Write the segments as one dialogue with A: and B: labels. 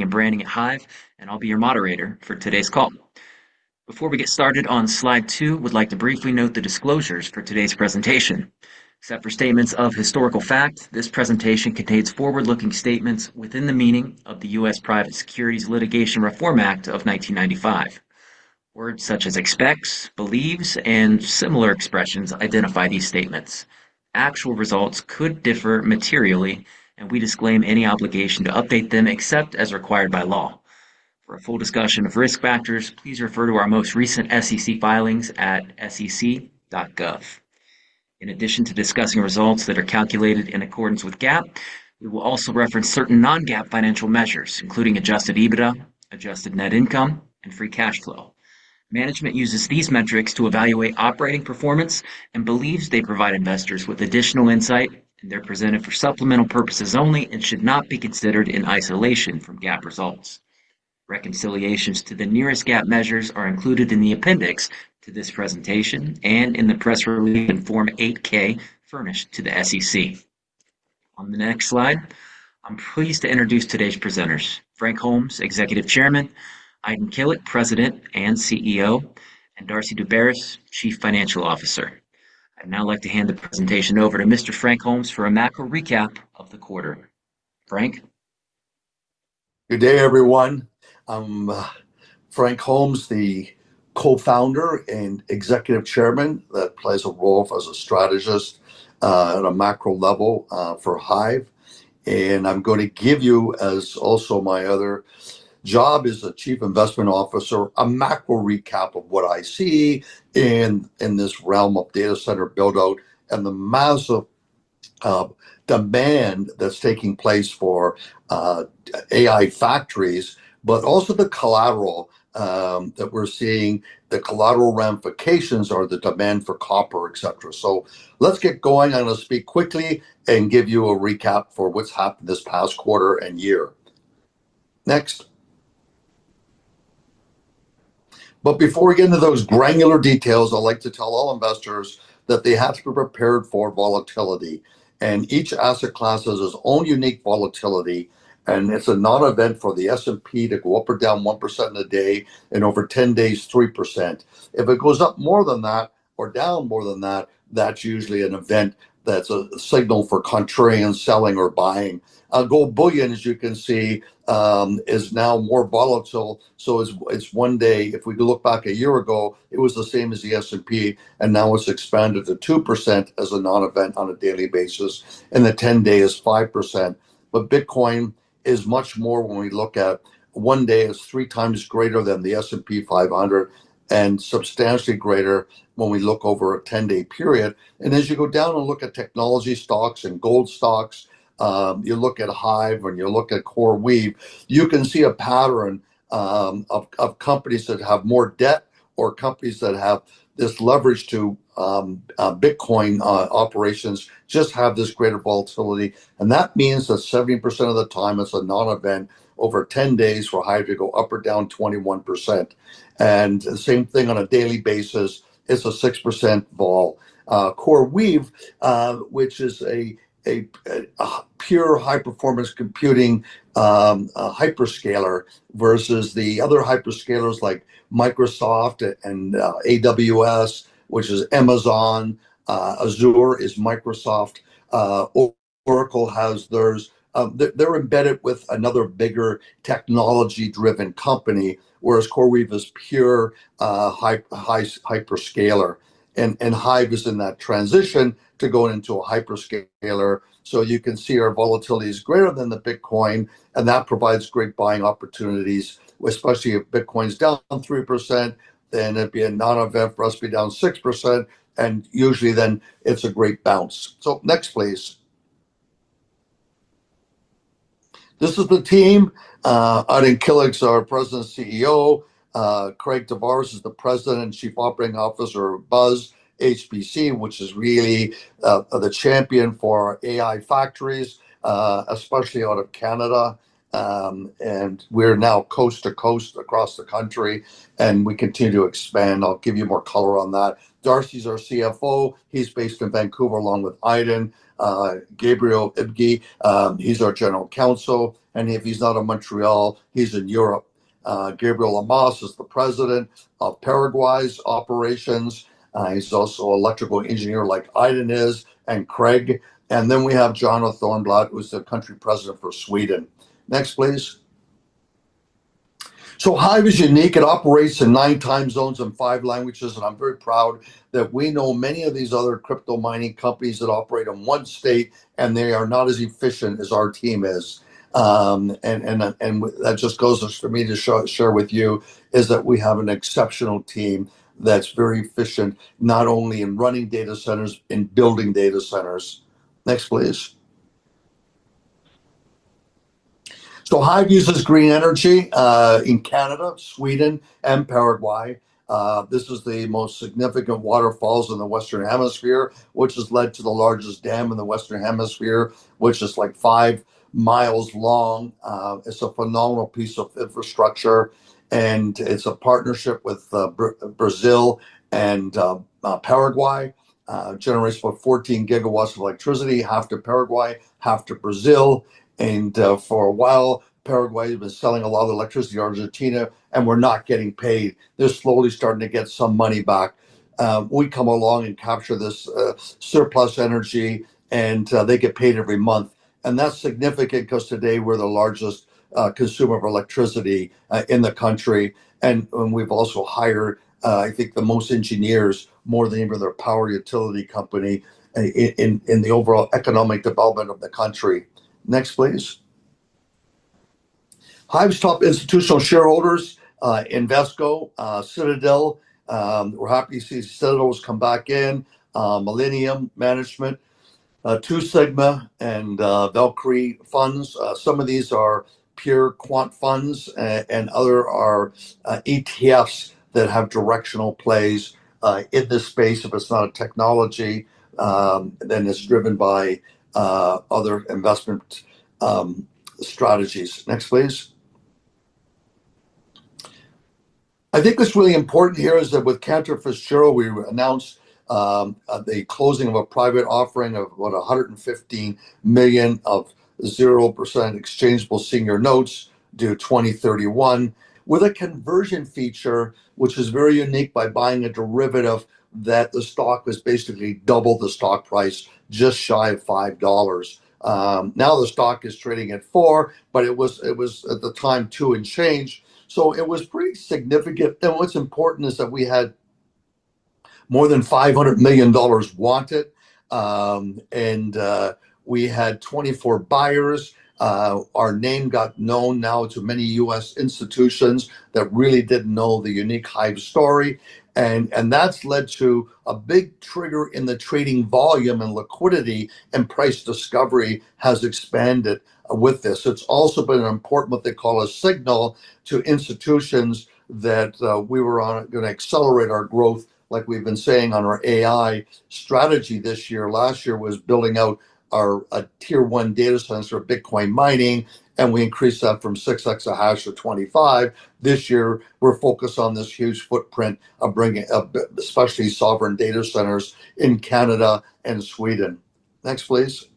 A: -and branding at HIVE. I'll be your moderator for today's call. Before we get started on slide two, we would like to briefly note the disclosures for today's presentation. Except for statements of historical fact, this presentation contains forward-looking statements within the meaning of the U.S. Private Securities Litigation Reform Act of 1995. Words such as expects, believes, and similar expressions identify these statements. Actual results could differ materially. We disclaim any obligation to update them except as required by law. For a full discussion of risk factors, please refer to our most recent SEC filings at sec.gov. In addition to discussing results that are calculated in accordance with GAAP, we will also reference certain non-GAAP financial measures, including adjusted EBITDA, adjusted net income and free cash flow. Management uses these metrics to evaluate operating performance and believes they provide investors with additional insight, and they're presented for supplemental purposes only and should not be considered in isolation from GAAP results. Reconciliations to the nearest GAAP measures are included in the appendix to this presentation and in the press release in Form 8-K furnished to the SEC. On the next slide, I'm pleased to introduce today's presenters, Frank Holmes, Executive Chairman, Aydin Kilic, President and CEO, and Darcy Daubaras, Chief Financial Officer. I'd now like to hand the presentation over to Mr. Frank Holmes for a macro recap of the quarter. Frank.
B: Good day, everyone. I'm Frank Holmes, the Co-founder and Executive Chairman, that plays a role as a strategist at a macro level for HIVE. I'm going to give you as also my other job as the Chief Investment Officer, a macro recap of what I see in this realm of data center build-out and the massive demand that's taking place for AI factories, but also the collateral that we're seeing, the collateral ramifications or the demand for copper, et cetera. Let's get going, and I'll speak quickly and give you a recap for what's happened this past quarter and year. Next. Before we get into those granular details, I'd like to tell all investors that they have to be prepared for volatility. Each asset class has its own unique volatility, and it's a non-event for the S&P to go up or down 1% in a day, and over 10 days, 3%. If it goes up more than that or down more than that's usually an event that's a signal for contrarian selling or buying. Gold bullion, as you can see, is now more volatile. It's one day, if we look back a year ago, it was the same as the S&P, and now it's expanded to 2% as a non-event on a daily basis, and the 10-day is 5%. Bitcoin is much more when we look at one day is three times greater than the S&P 500, and substantially greater when we look over a 10-day period. As you go down and look at technology stocks and gold stocks, you look at HIVE and you look at CoreWeave, you can see a pattern of companies that have more debt or companies that have this leverage to Bitcoin operations just have this greater volatility. That means that 70% of the time it's a non-event over 10 days for HIVE to go up or down 21%. The same thing on a daily basis, it's a 6% vol. CoreWeave, which is a pure high-performance computing hyperscaler versus the other hyperscalers like Microsoft and AWS, which is Amazon. Azure is Microsoft. Oracle has theirs. They're embedded with another bigger technology-driven company, whereas CoreWeave is pure hyperscaler. HIVE is in that transition to going into a hyperscaler. You can see our volatility is greater than the Bitcoin, and that provides great buying opportunities, especially if Bitcoin's down 3%, then it'd be a non-event for us to be down 6%, and usually then it's a great bounce. Next, please. This is the team. Aydin Kilic is our President and Chief Executive Officer. Craig Tavares is the President and Chief Operating Officer of BUZZ HPC, which is really the champion for AI factories, especially out of Canada. We're now coast to coast across the country, and we continue to expand. I'll give you more color on that. Darcy is our CFO. He's based in Vancouver along with Aydin. Gabriel Ibghy, he's our General Counsel, and if he's not in Montreal, he's in Europe. Gabriel Lamas is the President of Paraguay's operations. He's also electrical engineer like Aydin is and Craig. We have Johanna Thörnblad, who is the Country President for Sweden. Next, please. HIVE is unique. It operates in nine time zones and five languages, and I'm very proud that we know many of these other crypto mining companies that operate in one state, and they are not as efficient as our team is. That just goes for me to share with you is that we have an exceptional team that's very efficient, not only in running data centers, in building data centers. Next, please. HIVE uses green energy in Canada, Sweden and Paraguay. This is the most significant waterfalls in the Western Hemisphere, which has led to the largest dam in the Western Hemisphere, which is like five miles long. It's a phenomenal piece of infrastructure, and it's a partnership with Brazil and Paraguay. Generates about 14 GW of electricity, half to Paraguay, half to Brazil. For a while, Paraguay was selling a lot of the electricity to Argentina, and we're not getting paid. They're slowly starting to get some money back. We come along and capture this surplus energy, and they get paid every month. That's significant because today we're the largest consumer of electricity in the country, and we've also hired, I think, the most engineers, more than any other power utility company in the overall economic development of the country. Next, please. HIVE's top institutional shareholders, Invesco, Citadel. We're happy to see Citadel's come back in. Millennium Management, Two Sigma, and Valkyrie Funds. Some of these are pure quant funds and other are ETFs that have directional plays in this space. If it's not a technology, then it's driven by other investment strategies. Next, please. I think what's really important here is that with Cantor Fitzgerald, we announced the closing of a private offering of, what, $115 million of 0% exchangeable senior notes due 2031, with a conversion feature, which is very unique by buying a derivative that the stock was basically double the stock price, just shy of $5. Now the stock is trading at $4, but it was at the time $2 and change. It was pretty significant. What's important is that we had more than $500 million wanted, and we had 24 buyers. Our name got known now to many U.S. institutions that really didn't know the unique HIVE story. That's led to a big trigger in the trading volume and liquidity, and price discovery has expanded with this. It's also been an important, what they call a signal to institutions that we were going to accelerate our growth, like we've been saying on our AI strategy this year. Last year was building out our tier one data centers for Bitcoin mining, and we increased that from six exahash to 25. This year, we're focused on this huge footprint of especially sovereign data centers in Canada and Sweden. Next, please.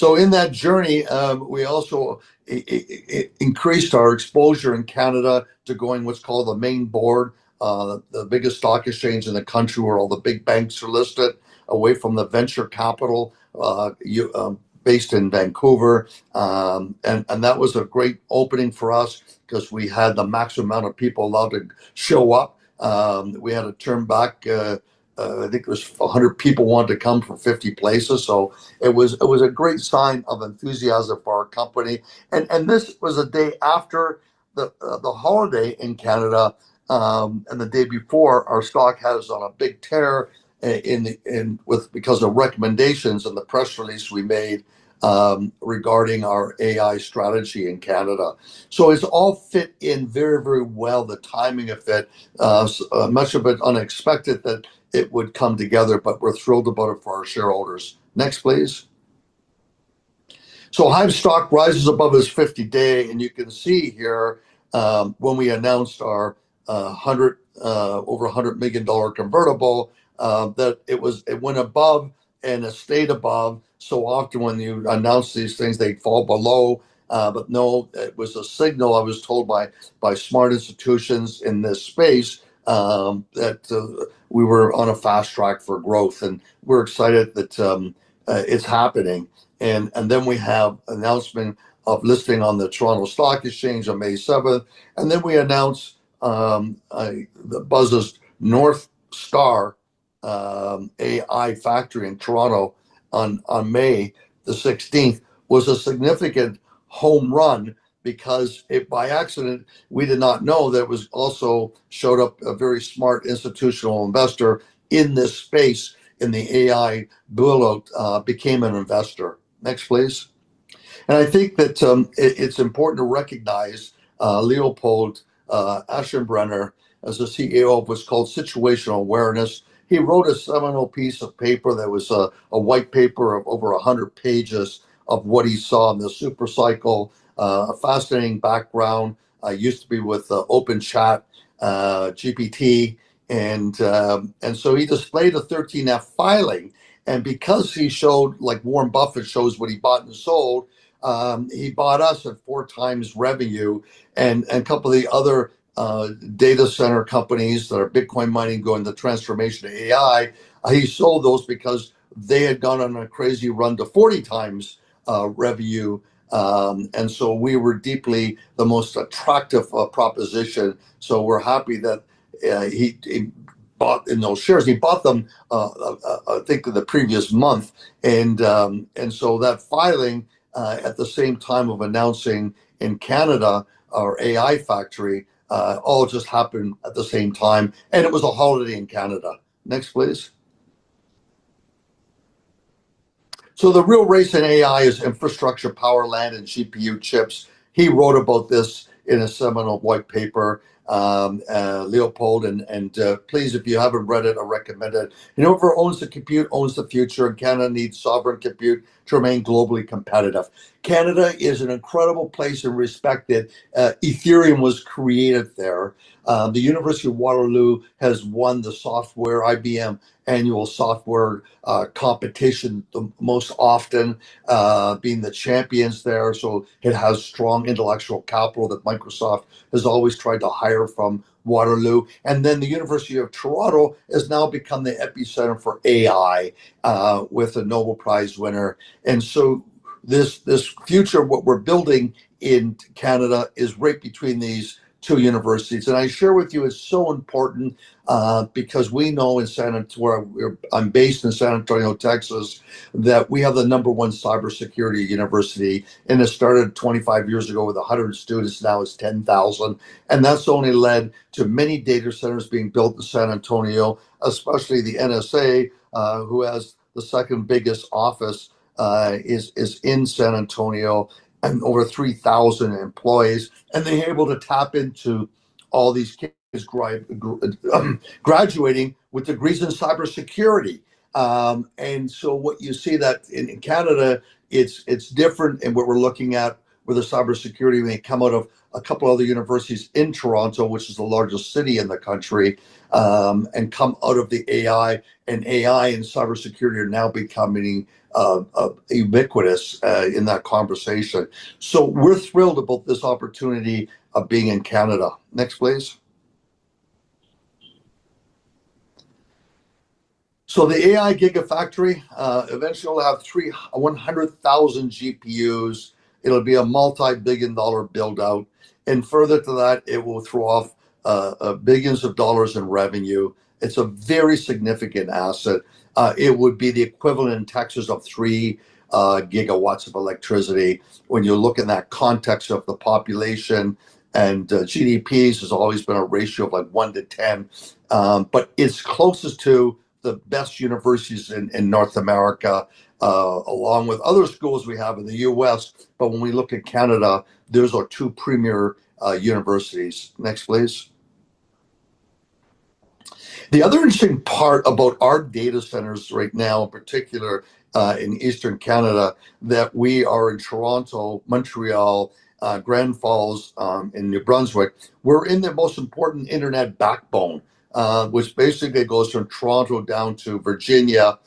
B: In that journey, we also increased our exposure in Canada to going what's called the main board, the biggest stock exchange in the country where all the big banks are listed, away from the venture capital based in Vancouver. That was a great opening for us because we had the max amount of people allowed to show up. We had to turn back, I think it was 100 people wanted to come from 50 places. It was a great sign of enthusiasm for our company. This was the day after the holiday in Canada, and the day before, our stock has on a big tear because of recommendations in the press release we made regarding our AI strategy in Canada. It's all fit in very well, the timing of that. Much of it unexpected that it would come together, but we're thrilled about it for our shareholders. Next, please. HIVE stock rises above its 50-day, and you can see here, when we announced our over 100 million dollar convertible, that it went above and it stayed above. Often when you announce these things, they fall below. No, it was a signal, I was told by smart institutions in this space, that we were on a fast track for growth. We're excited that it's happening. We have announcement of listing on the Toronto Stock Exchange on May 7th. We announced that BUZZ's North Star AI factory in Toronto on 16th May was a significant home run because by accident, we did not know that it was also showed up a very smart institutional investor in this space in the AI build out became an investor. Next, please. I think that it's important to recognize Leopold Aschenbrenner as the CEO of what's called Situational Awareness LP. He wrote a seminal piece of paper that was a white paper of over 100 pages of what he saw in the super cycle. A fascinating background, used to be with OpenAI. He displayed a 13F filing. Because he showed, like Warren Buffett shows what he bought and sold, he bought us at four times revenue. A couple of the other data center companies that are Bitcoin mining going the transformation to AI, he sold those because they had gone on a crazy run to 40x revenue. We were deeply the most attractive proposition. We're happy that he bought in those shares. He bought them, I think, in the previous month. That filing at the same time of announcing in Canada our AI factory all just happened at the same time, and it was a holiday in Canada. Next, please. The real race in AI is infrastructure, power, land, and GPU chips. He wrote about this in a seminal white paper, Leopold. Please, if you haven't read it, I recommend it. Whoever owns the compute owns the future, and Canada needs sovereign compute to remain globally competitive. Canada is an incredible place and respected. Ethereum was created there. The University of Waterloo has won the IBM annual software competition, the most often being the champions there. It has strong intellectual capital that Microsoft has always tried to hire from Waterloo. The University of Toronto has now become the epicenter for AI with a Nobel Prize winner. This future, what we're building in Canada, is right between these two universities. I share with you it's so important because we know in where I'm based in San Antonio, Texas, that we have the number one cybersecurity university, and it started 25 years ago with 100 students, now it's 10,000. That's only led to many data centers being built in San Antonio, especially the NSA, who has the second biggest office is in San Antonio and over 3,000 employees. They're able to tap into all these kids graduating with degrees in cybersecurity. What you see that in Canada it's different in what we're looking at where the cybersecurity may come out of a couple other universities in Toronto, which is the largest city in the country, and come out of the AI, and AI and cybersecurity are now becoming ubiquitous in that conversation. We're thrilled about this opportunity of being in Canada. Next, please. The AI gigafactory, eventually it'll have 100,000 GPUs. It'll be a multi-billion dollar build-out. Further to that, it will throw off billions of dollars in revenue. It's a very significant asset. It would be the equivalent in Texas of 3 GW of electricity. When you look in that context of the population and GDPs, there's always been a ratio of one to 10. It's closest to the best universities in North America, along with other schools we have in the U.S., but when we look at Canada, those are two premier universities. Next, please. The other interesting part about our data centers right now, in particular, in Eastern Canada, that we are in Toronto, Montreal, Grand Falls, in New Brunswick. We're in the most important internet backbone, which basically goes from Toronto down to Virginia,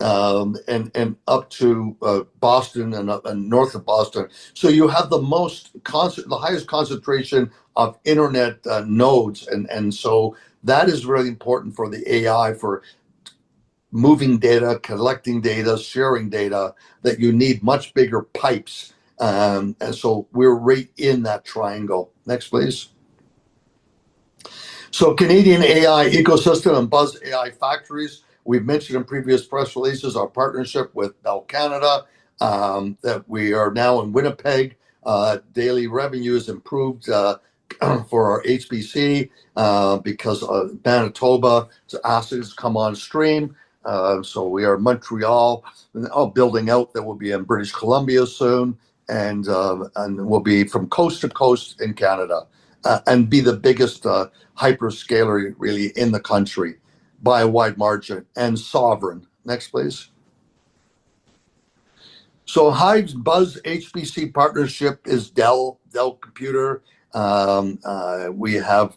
B: and up to Boston and north of Boston. You have the highest concentration of internet nodes and so that is really important for the AI for moving data, collecting data, sharing data, that you need much bigger pipes. We're right in that triangle. Next, please. Canadian AI ecosystem and BUZZ AI factories. We've mentioned in previous press releases our partnership with Bell Canada, that we are now in Winnipeg. Daily revenue is improved for our HPC because of Manitoba, its assets come on stream. We are Montreal and all building out. We'll be in British Columbia soon and we'll be from coast to coast in Canada, and be the biggest hyperscaler really in the country by a wide margin, and sovereign. Next, please. HIVE's BUZZ HPC partnership is Dell. We have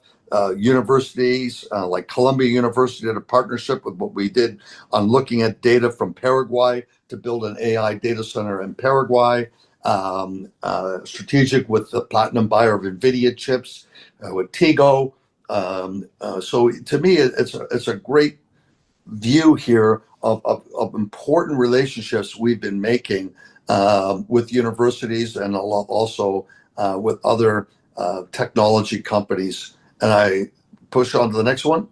B: universities like Columbia University in a partnership with what we did on looking at data from Paraguay to build an AI data center in Paraguay, strategic with the platinum buyer of NVIDIA chips, with Tigo. To me, it's a great view here of important relationships we've been making with universities and also with other technology companies. I push on to the next one.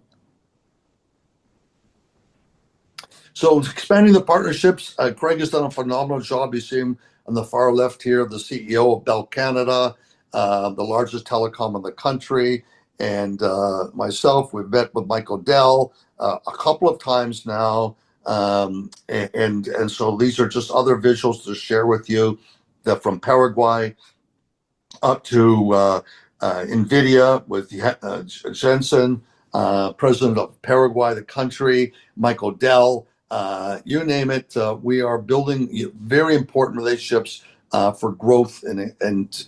B: Expanding the partnerships, Craig has done a phenomenal job. You see him on the far left here, the CEO of Bell Canada, the largest telecom in the country. Myself, we've met with Michael Dell a couple of times now. These are just other visuals to share with you. They're from Paraguay up to NVIDIA with Jensen, president of Paraguay, the country, Michael Dell, you name it. We are building very important relationships for growth and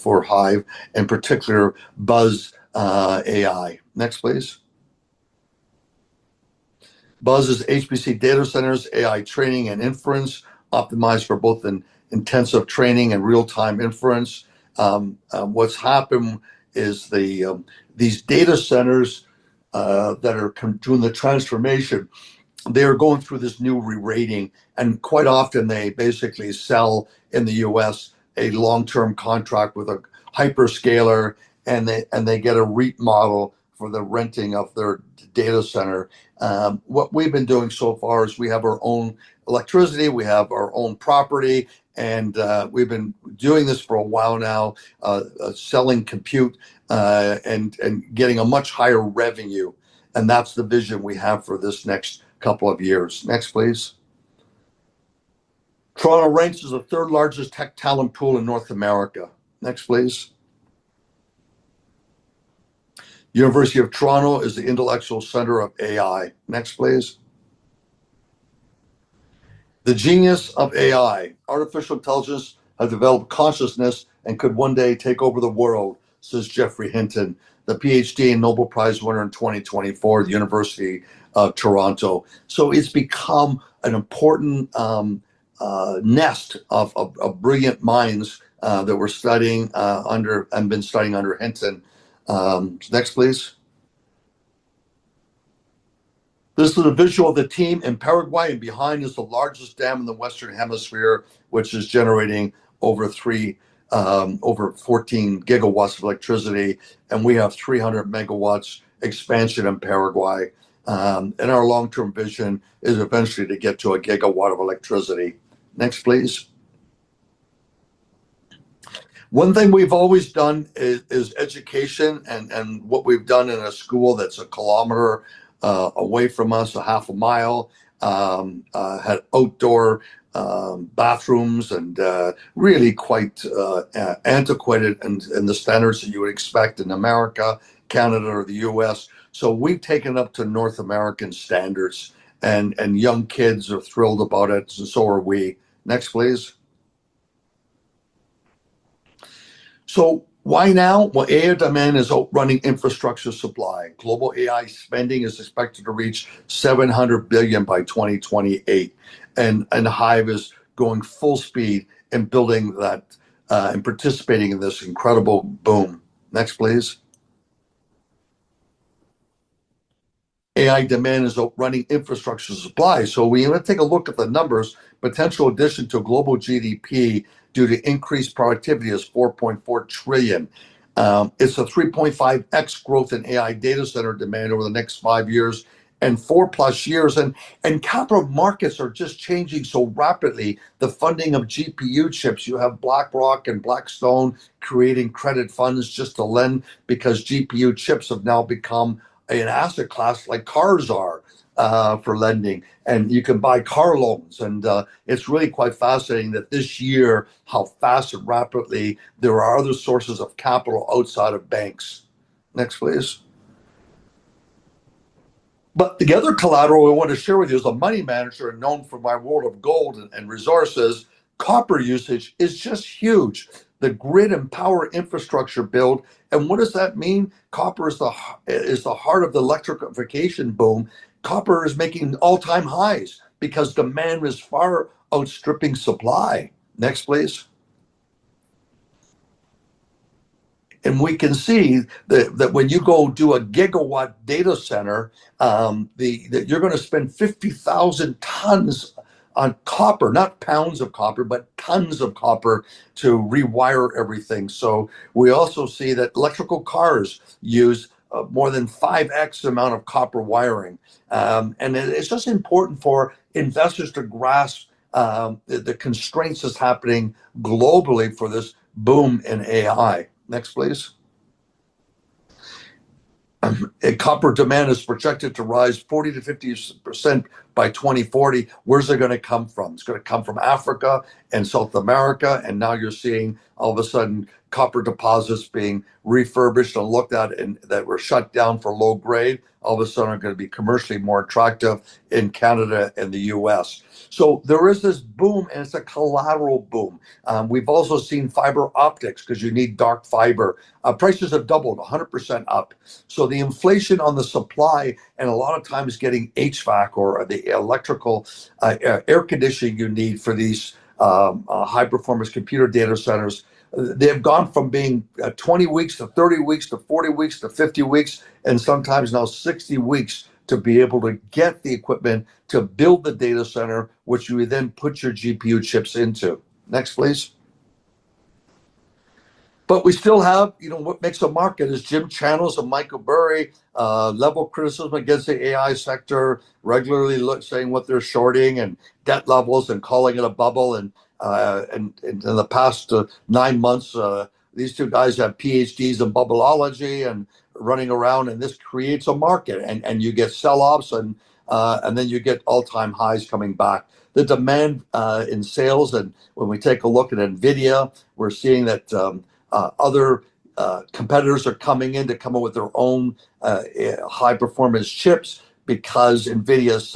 B: for HIVE, in particular, BUZZ AI. Next, please. BUZZ's HPC data centers, AI training and inference, optimized for both an intensive training and real-time inference. What's happened is these data centers that are doing the transformation, they are going through this new rerating, and quite often they basically sell in the U.S. a long-term contract with a hyperscaler, and they get a REIT model for the renting of their data center. What we've been doing so far is we have our own electricity, we have our own property. We've been doing this for a while now, selling compute, getting a much higher revenue. That's the vision we have for this next couple of years. Next, please. Toronto ranks as the third largest tech talent pool in North America. Next, please. University of Toronto is the intellectual center of AI. Next, please. The genius of AI. Artificial intelligence has developed consciousness and could one day take over the world, says Geoffrey Hinton, the PhD and Nobel Prize winner in 2024 at the University of Toronto. It's become an important nest of brilliant minds that we're studying under and been studying under Hinton. Next, please. This is a visual of the team in Paraguay, and behind is the largest dam in the Western Hemisphere, which is generating over 14 GW of electricity. We have a 300 GW expansion in Paraguay, and our long-term vision is eventually to get to a gigawatt of electricity. Next, please. One thing we've always done is education, and what we've done in a school that's a kilometer away from us, a half a mile. It had outdoor bathrooms and really quite antiquated in the standards that you would expect in America, Canada, or the U.S. We've taken up to North American standards and young kids are thrilled about it, and so are we. Next, please. Why now? Well, AI demand is outrunning infrastructure supply. Global AI spending is expected to reach 700 billion by 2028, and HIVE is going full speed in building that and participating in this incredible boom. Next, please. AI demand is outrunning infrastructure supply. We want to take a look at the numbers. Potential addition to global GDP due to increased productivity is 4.4 trillion. It's a 3.5x growth in AI data center demand over the next 5 years and 4+ years. Capital markets are just changing so rapidly. The funding of GPU chips, you have BlackRock and Blackstone creating credit funds just to lend because GPU chips have now become an asset class like cars are for lending, and you can buy car loans. It's really quite fascinating that this year, how fast and rapidly there are other sources of capital outside of banks. Next, please. The other collateral we want to share with you as a money manager and known for my world of gold and resources, copper usage is just huge. The grid and power infrastructure build, and what does that mean? Copper is the heart of the electrification boom. Copper is making all-time highs because demand is far outstripping supply. Next, please. We can see that when you go do a gigawatt data center, that you're going to spend 50,000 tons on copper. Not pounds of copper, but tons of copper to rewire everything. We also see that electrical cars use more than 5x amount of copper wiring. It's just important for investors to grasp the constraints that's happening globally for this boom in AI. Next, please. Copper demand is projected to rise 40%-50% by 2040. Where's it going to come from? It's going to come from Africa and South America. Now you're seeing all of a sudden copper deposits being refurbished and looked at and that were shut down for low grade, all of a sudden are going to be commercially more attractive in Canada and the U.S. There is this boom, and it's a collateral boom. We've also seen fiber optics because you need dark fiber. Prices have doubled, 100% up. The inflation on the supply and a lot of times getting HVAC or the electrical air conditioning you need for these high-performance computer data centers, they have gone from being 20 weeks to 30 weeks to 40 weeks to 50 weeks, and sometimes now 60 weeks to be able to get the equipment to build the data center, which you would then put your GPU chips into. Next, please. We still have, what makes the market is Jim Chanos and Michael Burry level criticism against the AI sector, regularly saying what they're shorting and debt levels and calling it a bubble. In the past nine months, these two guys have PhDs in bubbleology and running around, and this creates a market, and you get sell-offs and then you get all-time highs coming back. The demand in sales and when we take a look at NVIDIA, we're seeing that other competitors are coming in to come up with their own high-performance chips because NVIDIA is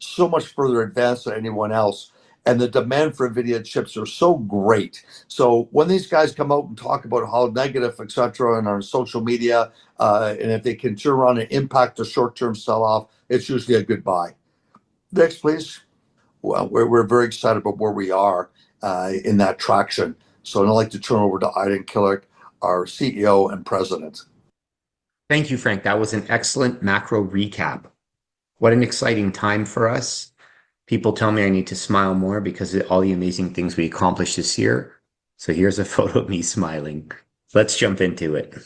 B: so much further advanced than anyone else, and the demand for NVIDIA chips are so great. When these guys come out and talk about how negative, et cetera, on our social media, and if they can turn around and impact a short-term sell-off, it's usually a good buy. Next, please. Well, we're very excited about where we are in that traction. I'd like to turn it over to Aydin Kilic, our CEO and President.
C: Thank you, Frank. That was an excellent macro recap. What an exciting time for us. People tell me I need to smile more because of all the amazing things we accomplished this year. Here's a photo of me smiling. Let's jump into it.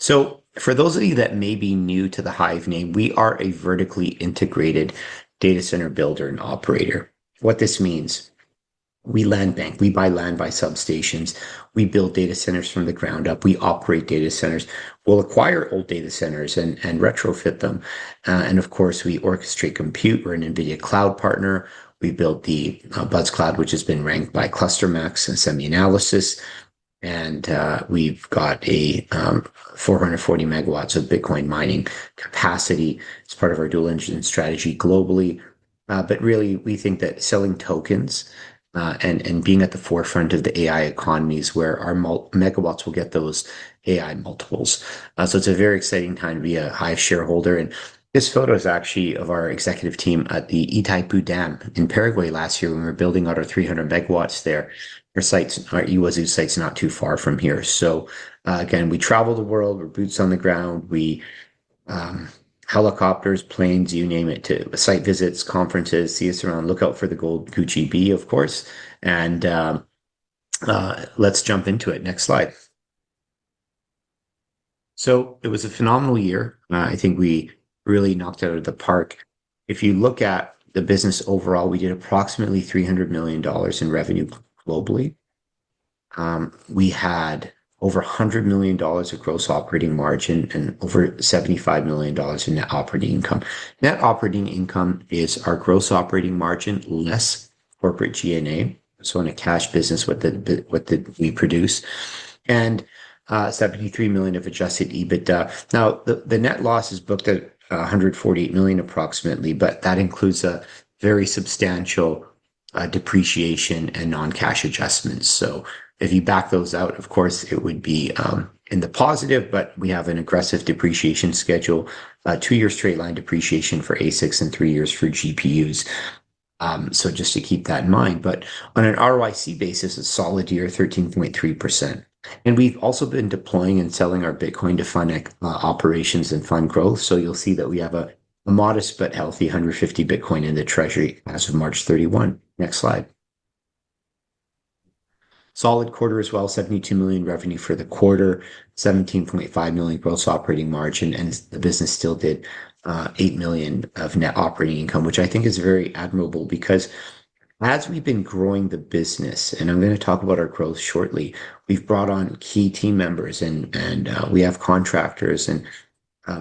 C: For those of you that may be new to the HIVE name, we are a vertically integrated data center builder and operator. What this means, we land bank. We buy land by substations. We build data centers from the ground up. We operate data centers. We'll acquire old data centers and retrofit them. Of course, we orchestrate compute. We're an NVIDIA cloud partner. We built the BUZZ Cloud, which has been ranked by ClusterMAX and SemiAnalysis. We've got a 440 MW of Bitcoin mining capacity as part of our dual engine strategy globally. Really, we think that selling tokens, and being at the forefront of the AI economy is where our megawatts will get those AI multiples. It's a very exciting time to be a HIVE shareholder. This photo is actually of our executive team at the Itaipu Dam in Paraguay last year when we were building out our 300 MW there. Our Yguazú site's not too far from here. Again, we travel the world. We're boots on the ground. We helicopters, planes, you name it, to site visits, conferences, see us around. Look out for the gold Gucci bee, of course. Let's jump into it. Next slide. It was a phenomenal year. I think we really knocked it out of the park. If you look at the business overall, we did approximately 300 million dollars in revenue globally. We had over 100 million dollars of gross operating margin and over 75 million dollars in net operating income. Net operating income is our gross operating margin less corporate G&A, so in a cash business, what did we produce, and 73 million of adjusted EBITDA. The net loss is booked at 148 million approximately, but that includes a very substantial depreciation and non-cash adjustments. If you back those out, of course, it would be in the positive, but we have an aggressive depreciation schedule, two years straight line depreciation for ASICs and 3 years for GPUs. Just to keep that in mind, but on an ROIC basis, a solid year, 13.3%. We've also been deploying and selling our Bitcoin to fund operations and fund growth. You'll see that we have a modest but healthy 150 Bitcoin in the treasury as of March 31. Next slide. Solid quarter as well. 72 million revenue for the quarter, 17.5 million gross operating margin, the business still did 8 million of net operating income, which I think is very admirable because as we've been growing the business, I'm going to talk about our growth shortly, we've brought on key team members, we have contractors,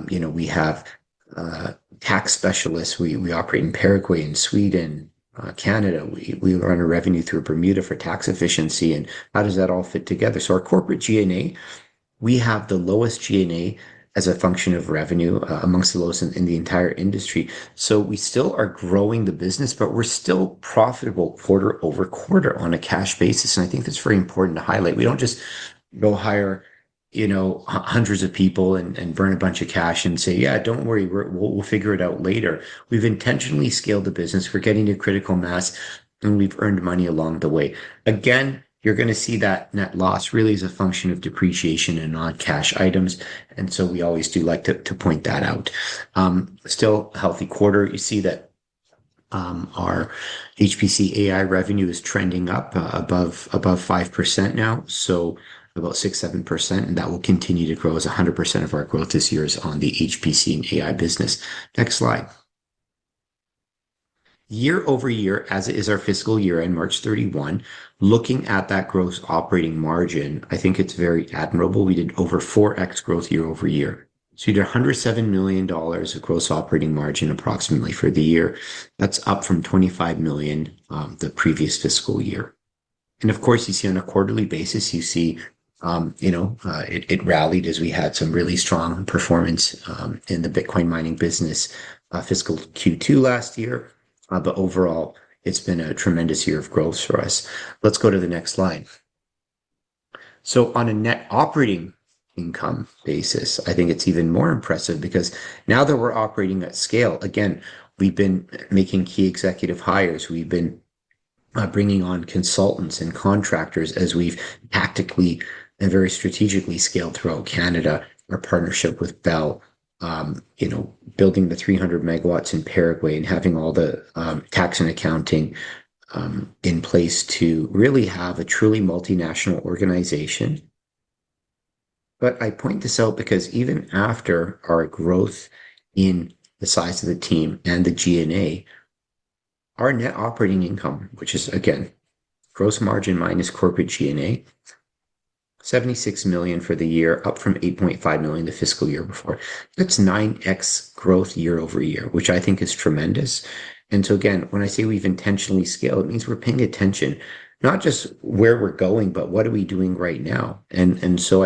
C: we have tax specialists. We operate in Paraguay and Sweden, Canada. We run a revenue through Bermuda for tax efficiency, how does that all fit together? Our corporate G&A, we have the lowest G&A as a function of revenue amongst the lowest in the entire industry. We still are growing the business, but we're still profitable quarter-over-quarter on a cash basis, I think that's very important to highlight. We don't just go hire hundreds of people and burn a bunch of cash and say, "Yeah, don't worry. We'll figure it out later." We've intentionally scaled the business. We're getting to critical mass, and we've earned money along the way. Again, you're going to see that net loss really is a function of depreciation and non-cash items, and so we always do like to point that out. Still healthy quarter. You see that our HPC AI revenue is trending up above 5% now, so about 6%, 7%, and that will continue to grow as 100% of our growth this year is on the HPC and AI business. Next slide. Year-over-year, as it is our fiscal year end March 31, looking at that gross operating margin, I think it's very admirable. We did over 4x growth year-over-year. You did 107 million dollars of gross operating margin approximately for the year. That's up from 25 million the previous fiscal year. Of course, you see on a quarterly basis, you see it rallied as we had some really strong performance in the Bitcoin mining business fiscal Q2 last year. Overall, it's been a tremendous year of growth for us. Let's go to the next slide. On a net operating income basis, I think it's even more impressive because now that we're operating at scale, again, we've been making key executive hires. We've been bringing on consultants and contractors as we've tactically and very strategically scaled throughout Canada our partnership with Bell, building the 300 MW in Paraguay and having all the tax and accounting in place to really have a truly multinational organization. I point this out because even after our growth in the size of the team and the G&A, our net operating income, which is again, gross margin minus corporate G&A, 76 million for the year, up from 8.5 million the fiscal year before. That's 9x growth year-over-year, which I think is tremendous. Again, when I say we've intentionally scaled, it means we're paying attention not just where we're going, but what are we doing right now. I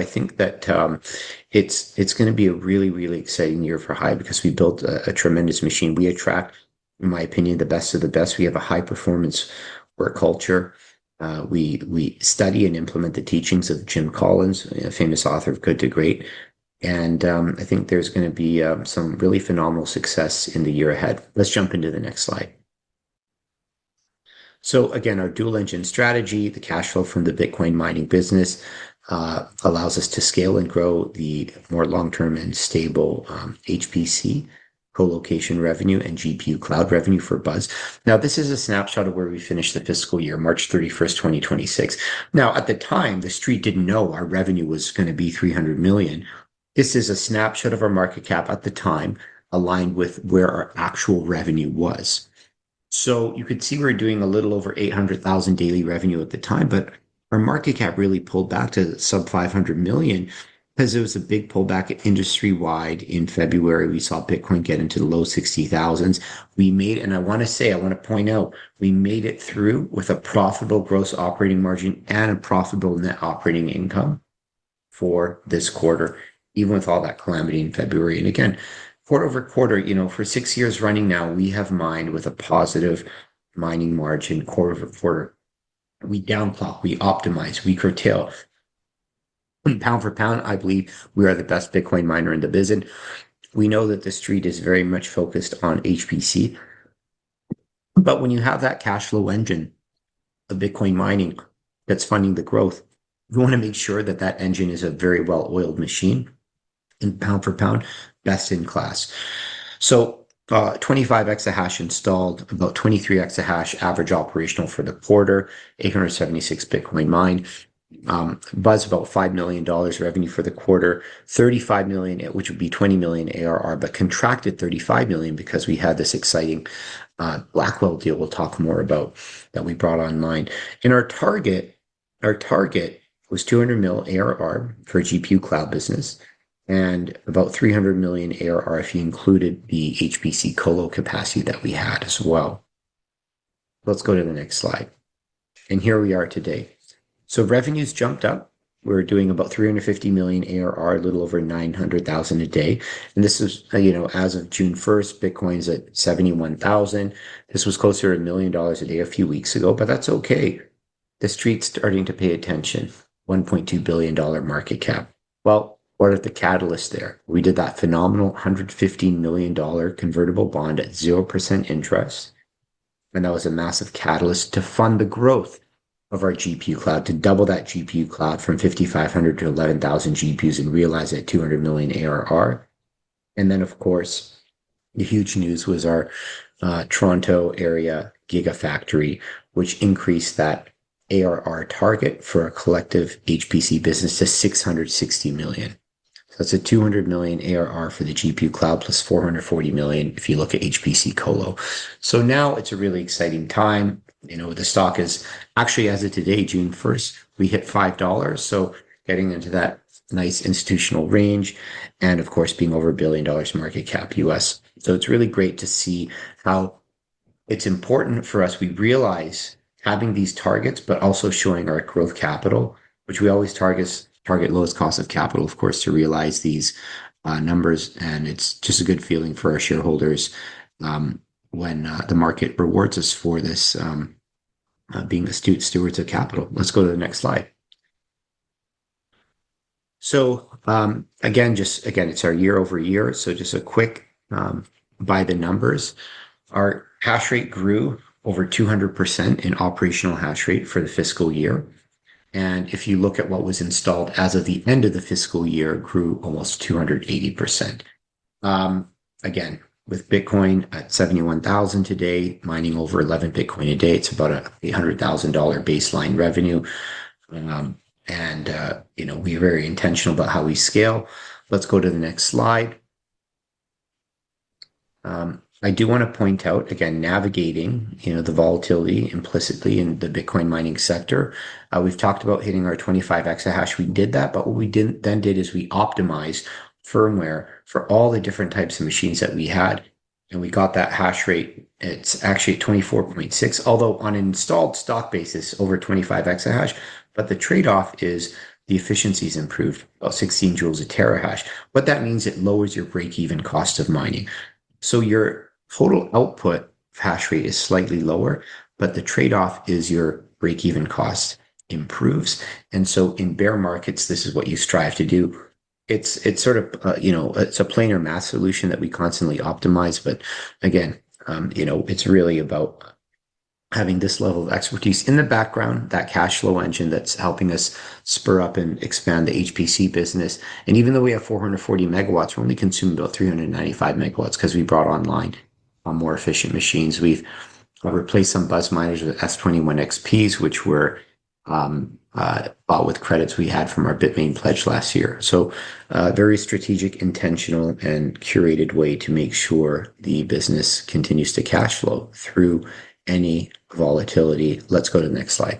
C: think that it's going to be a really, really exciting year for HIVE because we built a tremendous machine. We attract, in my opinion, the best of the best. We have a high performance work culture. We study and implement the teachings of Jim Collins, a famous author of "Good to Great." I think there's going to be some really phenomenal success in the year ahead. Let's jump into the next slide. Again, our dual engine strategy, the cash flow from the Bitcoin mining business, allows us to scale and grow the more long-term and stable HPC co-location revenue and GPU cloud revenue for BUZZ. This is a snapshot of where we finished the fiscal year, March 31st, 2026. At the time, the Street didn't know our revenue was going to be 300 million. This is a snapshot of our market cap at the time aligned with where our actual revenue was. You could see we were doing a little over 800,000 daily revenue at the time, but our market cap really pulled back to sub 500 million because it was a big pullback industry-wide in February. We saw Bitcoin get into the low CAD 60,000s. We made it through with a profitable gross operating margin and a profitable net operating income for this quarter, even with all that calamity in February. Again, quarter-over-quarter, for 6 years running now, we have mined with a positive mining margin quarter-over-quarter. We downclock, we optimize, we curtail. Pound for pound, I believe we are the best Bitcoin miner in the business. We know that the Street is very much focused on HPC. When you have that cash flow engine of Bitcoin mining that's funding the growth, we want to make sure that that engine is a very well-oiled machine and pound for pound best in class. 25 exahash installed, about 23 exahash average operational for the quarter, 876 Bitcoin mined. BUZZ about 5 million dollars revenue for the quarter, 35 million, which would be 20 million ARR. Contracted 35 million because we had this exciting Blackwell deal we'll talk more about that we brought online. Our target was 200 million ARR for GPU cloud business and about 300 million ARR if you included the HPC colo capacity that we had as well. Let's go to the next slide. Here we are today. Revenues jumped up. We're doing about 350 million ARR, a little over 900,000 a day. This is as of June 1st, Bitcoin's at 71,000. This was closer to 1 million dollars a day a few weeks ago, but that's okay. The street's starting to pay attention. 1.2 billion dollar market cap. Well, what are the catalysts there? We did that phenomenal 115 million dollar convertible bond at 0% interest, and that was a massive catalyst to fund the growth of our GPU cloud, to double that GPU cloud from 5,500-11,000 GPUs and realize that 200 million ARR. Of course, the huge news was our Toronto area gigafactory, which increased that ARR target for our collective HPC business to 660 million. That's a 200 million ARR for the GPU cloud plus 440 million if you look at HPC colo. Now it's a really exciting time. The stock is actually as of today, June 1st, we hit 5 dollars. Getting into that nice institutional range and of course being over a $1 billion market cap U.S. It's really great to see how it's important for us. We realize having these targets, but also showing our growth capital, which we always target lowest cost of capital, of course, to realize these numbers, and it's just a good feeling for our shareholders when the market rewards us for this being the stewards of capital. Let's go to the next slide. Again, it's our year-over-year. Just a quick by the numbers. Our hash rate grew over 200% in operational hash rate for the fiscal year. If you look at what was installed as of the end of the fiscal year, it grew almost 280%. Again, with Bitcoin at 71,000 today, mining over 11 Bitcoin a day, it's about a 100,000 dollar baseline revenue. We're very intentional about how we scale. Let's go to the next slide. I do want to point out, again, navigating the volatility implicitly in the Bitcoin mining sector. We've talked about hitting our 25 exahash. We did that, what we then did is we optimized firmware for all the different types of machines that we had, and we got that hash rate. It's actually 24.6, although on an installed stock basis, over 25 exahash. The trade-off is the efficiency's improved about 16 joules a terahash. What that means, it lowers your break-even cost of mining. Your total output hash rate is slightly lower, but the trade-off is your break-even cost improves. In bear markets, this is what you strive to do. It's a planar math solution that we constantly optimize. Again, it's really about having this level of expertise in the background, that cash flow engine that's helping us spur up and expand the HPC business. Even though we have 440 MG, we only consumed about 395 MG because we brought online more efficient machines. We've replaced some HIVE BuzzMiners with Antminer S21 XPs, which were bought with credits we had from our Bitmain pledge last year. A very strategic, intentional, and curated way to make sure the business continues to cash flow through any volatility. Let's go to the next slide.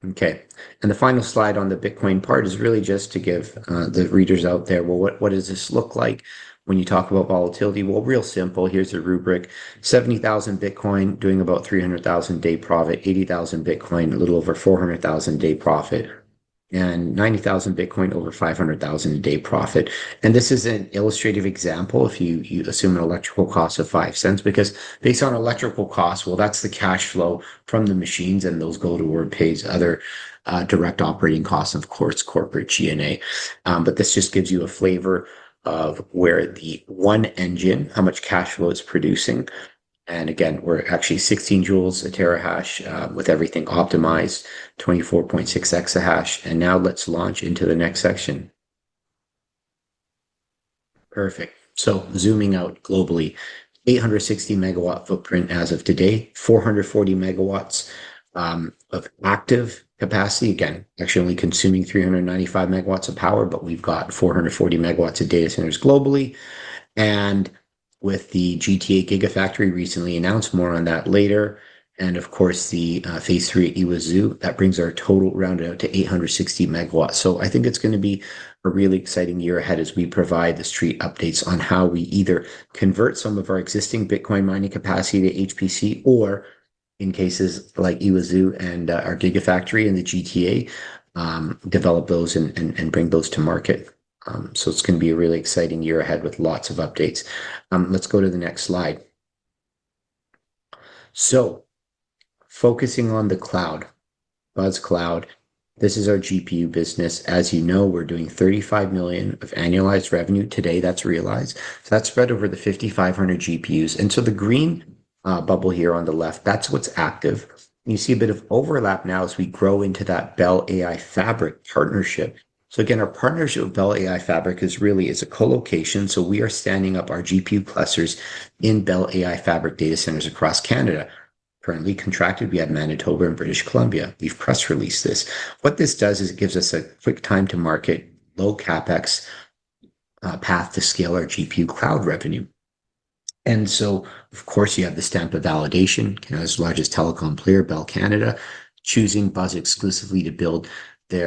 C: The final slide on the Bitcoin part is really just to give the readers out there, well, what does this look like when you talk about volatility? Real simple. Here's a rubric. 70,000 Bitcoin doing about 300,000 a day profit, 80,000 Bitcoin, a little over 400,000 a day profit, 90,000 Bitcoin, over 500,000 a day profit. This is an illustrative example if you assume an electrical cost of 0.05, because based on electrical costs, well, that's the cash flow from the machines, and those go toward pays other direct operating costs, of course, corporate G&A. This just gives you a flavor of where the one engine, how much cash flow it's producing. Again, we're actually 16 joules per terahash with everything optimized, 24.6 exahash. Now let's launch into the next section. Perfect. Zooming out globally, 860 MW footprint as of today, 440 MW of active capacity. Again, actually only consuming 395 MW of power, but we've got 440 MW of data centers globally. With the G.T.A. Gigafactory recently announced, more on that later, and of course, the phase three at Yguazú, that brings our total rounded out to 860 MW. I think it's going to be a really exciting year ahead as we provide the street updates on how we either convert some of our existing Bitcoin mining capacity to HPC or in cases like Yguazú and our Gigafactory in the G.T.A., develop those and bring those to market. It's going to be a really exciting year ahead with lots of updates. Let's go to the next slide. Focusing on the BUZZ Cloud, this is our GPU business. As you know, we're doing 35 million of annualized revenue today, that's realized. That's spread over the 5,500 GPUs. The green bubble here on the left, that's what's active. You see a bit of overlap now as we grow into that Bell AI Fabric partnership. Again, our partnership with Bell AI Fabric really is a co-location, so we are standing up our GPU clusters in Bell AI Fabric data centers across Canada. Currently contracted, we have Manitoba and British Columbia. We've press released this. What this does is it gives us a quick time to market, low CapEx path to scale our GPU cloud revenue. Of course you have the stamp of validation, Canada's largest telecom player, Bell Canada, choosing BUZZ exclusively to be their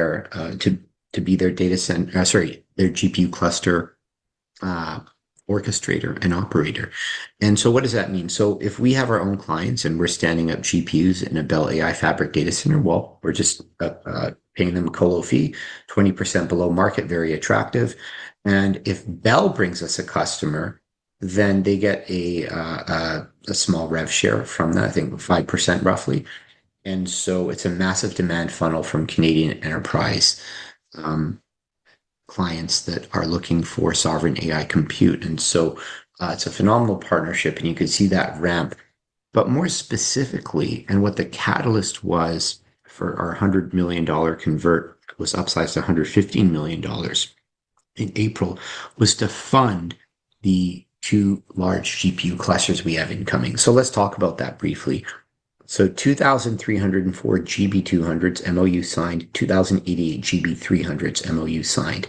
C: GPU cluster orchestrator and operator. What does that mean? If we have our own clients and we're standing up GPUs in a Bell AI Fabric data center, well, we're just paying them a colo fee, 20% below market, very attractive. If Bell brings us a customer, then they get a small rev share from that, I think 5%, roughly. It's a massive demand funnel from Canadian enterprise clients that are looking for sovereign AI compute. It's a phenomenal partnership, and you can see that ramp. More specifically, and what the catalyst was for our 100 million dollar convert, was upsized to 115 million dollars in April, was to fund the two large GPU clusters we have incoming. Let's talk about that briefly. 2,304 GB200s MOU signed, 2,088 GB300s MOU signed.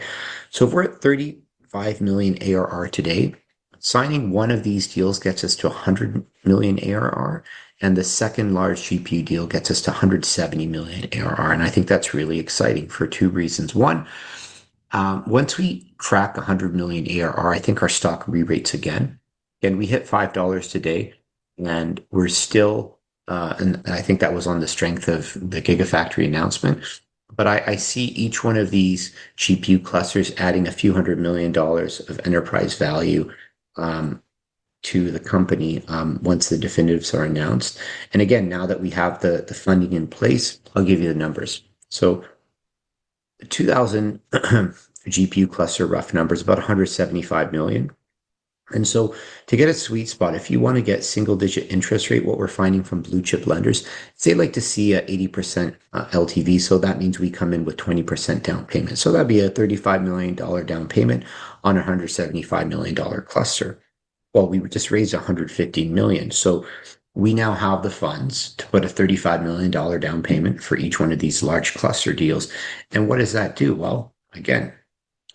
C: If we're at 35 million ARR today, signing one of these deals gets us to 100 million ARR, and the second large GPU deal gets us to 170 million ARR, and I think that's really exciting for two reasons. One, once we crack 100 million ARR, I think our stock re-rates again. We hit 5 dollars today, and I think that was on the strength of the Gigafactory announcement. I see each one of these GPU clusters adding a CAD few hundred million of enterprise value to the company once the definitives are announced. Again, now that we have the funding in place, I'll give you the numbers. The 2,000 GPU cluster, rough number, is about 175 million. To get a sweet spot, if you want to get single-digit interest rate, what we're finding from blue-chip lenders, say, like to see an 80% LTV, that means we come in with 20% down payment. That'd be a 35 million dollar down payment on a 175 million dollar cluster. Well, we would just raise 115 million. We now have the funds to put a 35 million dollar down payment for each one of these large cluster deals. What does that do? Well, again,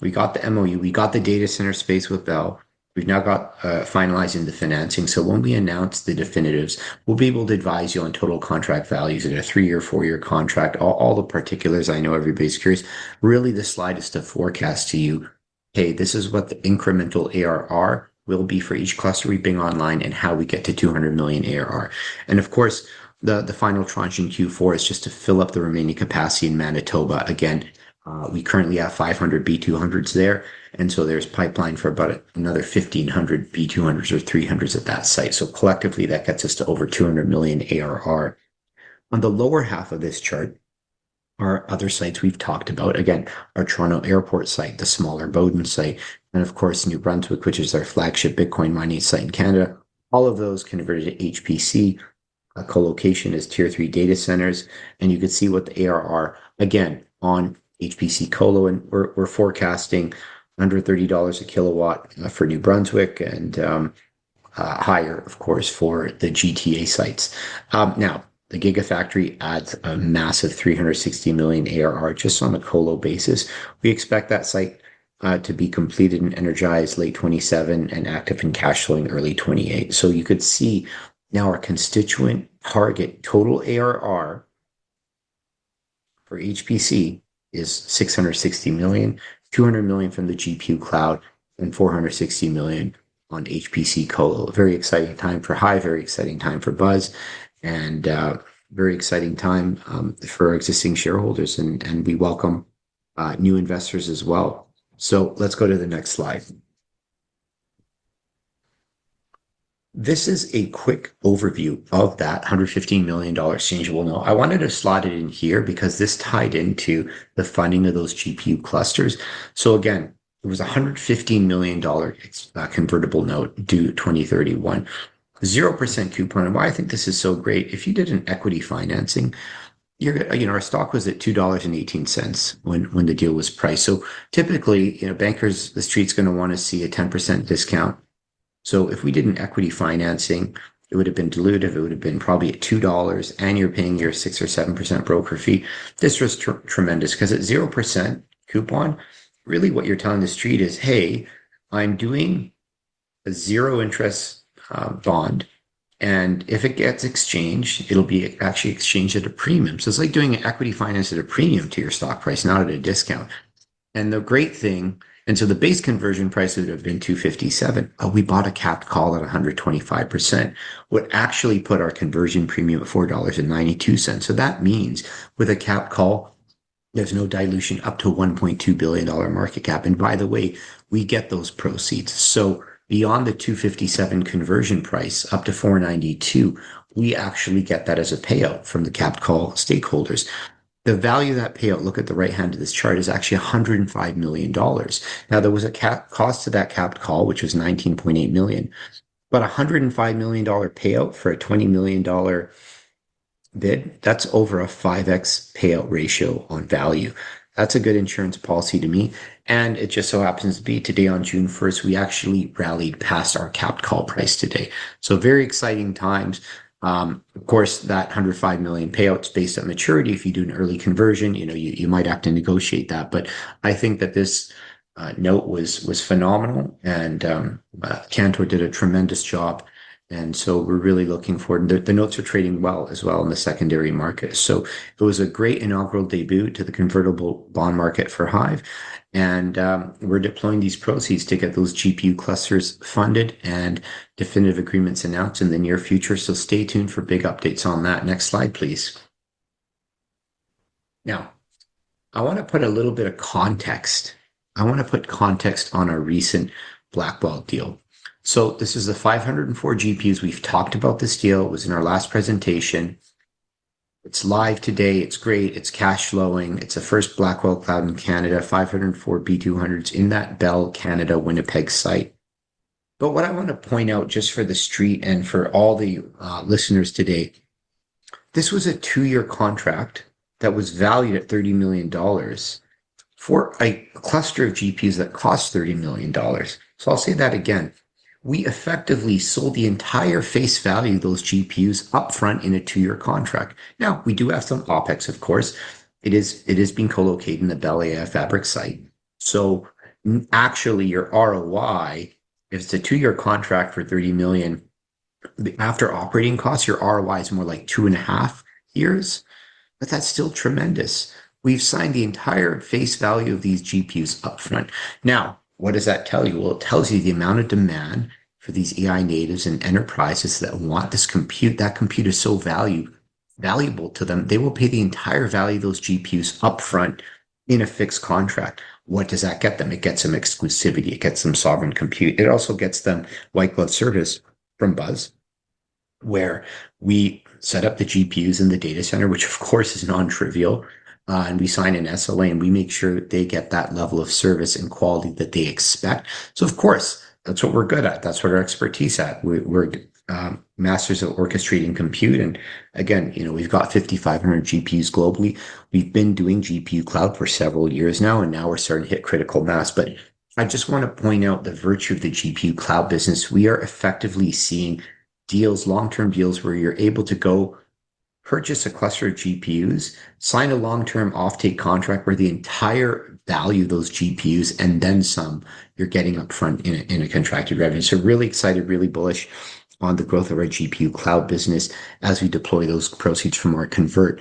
C: we got the MOU, we got the data center space with Bell. We've now got finalizing the financing. When we announce the definitives, we'll be able to advise you on total contract values in a 3-year, 4-year contract, all the particulars. I know everybody's curious. Really, this slide is to forecast to you, "Hey, this is what the incremental ARR will be for each cluster we bring online and how we get to 200 million ARR." Of course, the final tranche in Q4 is just to fill up the remaining capacity in Manitoba. Again, we currently have 500 B200s there, and so there's pipeline for about another 1,500 B200s or B300s at that site. Collectively that gets us to over 200 million ARR. On the lower half of this chart are other sites we've talked about. Our Toronto airport site, the smaller Boden site, and of course New Brunswick, which is our flagship Bitcoin mining site in Canada. All of those converted to HPC. Colocation is tier 3 data centers. You can see what the ARR, again, on HPC colo. We're forecasting 130 dollars a kilowatt for New Brunswick and higher, of course, for the GTA sites. The Gigafactory adds a massive 360 million ARR just on the colo basis. We expect that site to be completed and energized late 2027 and active in cash flowing early 2028. You could see now our constituent target total ARR for HPC is 660 million, 200 million from the GPU cloud, and 460 million on HPC colo. Very exciting time for HIVE, very exciting time for BUZZ, and very exciting time for existing shareholders. We welcome new investors as well. Let's go to the next slide. This is a quick overview of that 115 million dollar exchangeable note. I wanted to slot it in here because this tied into the funding of those GPU clusters. Again, it was 115 million dollar convertible note due 2031, 0% coupon. Why I think this is so great, if you did an equity financing, our stock was at 2.18 dollars when the deal was priced. Typically, bankers, the street's going to want to see a 10% discount. If we did an equity financing, it would've been dilutive, it would've been probably at 2 dollars, and you're paying your 6% or 7% broker fee. This was tremendous because at 0% coupon, really what you're telling the street is, "Hey, I'm doing a zero interest bond, and if it gets exchanged, it'll be actually exchanged at a premium." It's like doing equity finance at a premium to your stock price, not at a discount. The base conversion price would've been 257. We bought a capped call at 125%, would actually put our conversion premium at 4.92 dollars. That means with a capped call, there's no dilution up to a 1.2 billion dollar market cap. By the way, we get those proceeds. Beyond the 257 conversion price, up to 492, we actually get that as a payout from the capped call stakeholders. The value of that payout, look at the right-hand of this chart, is actually 105 million dollars. There was a cost to that capped call, which was 19.8 million. 105 million dollar payout for a 20 million dollar bid, that's over a 5x payout ratio on value. That's a good insurance policy to me, and it just so happens to be today on June 1st, we actually rallied past our capped call price today. Very exciting times. That 105 million payout's based on maturity. If you do an early conversion, you might have to negotiate that. I think that this note was phenomenal. Cantor did a tremendous job, we're really looking forward. The notes are trading well as well in the secondary market. It was a great inaugural debut to the convertible bond market for HIVE. We're deploying these proceeds to get those GPU clusters funded and definitive agreements announced in the near future, so stay tuned for big updates on that. Next slide, please. I want to put a little bit of context. I want to put context on our recent Blackwell deal. This is the 504 GPUs. We've talked about this deal. It was in our last presentation. It's live today. It's great. It's cash flowing. It's the first Blackwell cloud in Canada, 504 B200s in that Bell Canada Winnipeg site. What I want to point out just for the Street and for all the listeners today, this was a two-year contract that was valued at 30 million dollars for a cluster of GPUs that cost 30 million dollars. I'll say that again. We effectively sold the entire face value of those GPUs up front in a two-year contract. We do have some OpEx, of course. It is being co-located in the Bell fabric site. Actually, your ROI, if it's a two-year contract for 30 million, after operating costs, your ROI is more like two and a half years, but that's still tremendous. We've signed the entire face value of these GPUs up front. What does that tell you? Well, it tells you the amount of demand for these AI natives and enterprises that want this compute. That compute is so valuable to them they will pay the entire value of those GPUs up front in a fixed contract. What does that get them? It gets them exclusivity. It gets them sovereign compute. It also gets them white glove service from BUZZ, where we set up the GPUs in the data center, which of course is non-trivial, and we sign an SLA, and we make sure they get that level of service and quality that they expect. Of course, that's what we're good at. That's what our expertise at. We're masters at orchestrating compute. Again, we've got 5,500 GPUs globally. We've been doing GPU cloud for several years now, and now we're starting to hit critical mass. I just want to point out the virtue of the GPU cloud business. We are effectively seeing long-term deals where you're able to go purchase a cluster of GPUs, sign a long-term offtake contract where the entire value of those GPUs and then some you're getting upfront in a contracted revenue. Really excited, really bullish on the growth of our GPU cloud business as we deploy those proceeds from our convert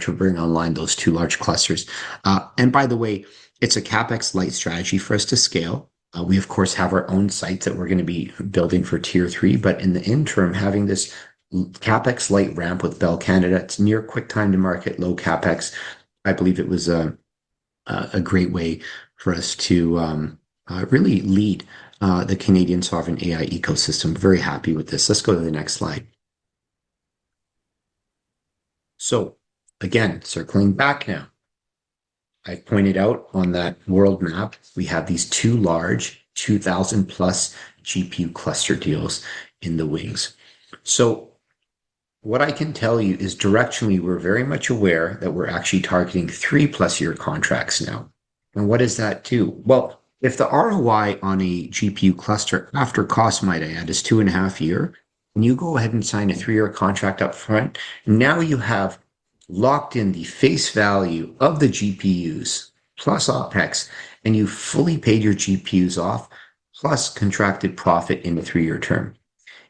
C: to bring online those two large clusters. By the way, it's a CapEx-light strategy for us to scale. We of course, have our own sites that we're going to be building for tier 3, but in the interim, having this CapEx-light ramp with Bell Canada, it's near quick time to market, low CapEx. I believe it was a great way for us to really lead the Canadian sovereign AI ecosystem. Very happy with this. Let's go to the next slide. Again, circling back now. I pointed out on that world map, we have these two large 2,000-plus GPU cluster deals in the wings. What I can tell you is directionally, we're very much aware that we're actually targeting three-plus year contracts now. What is that, too? Well, if the ROI on a GPU cluster after cost, might I add, is two and a half year, and you go ahead and sign a three-year contract up front. Now you have locked in the face value of the GPUs plus OpEx, and you fully paid your GPUs off plus contracted profit in the three-year term.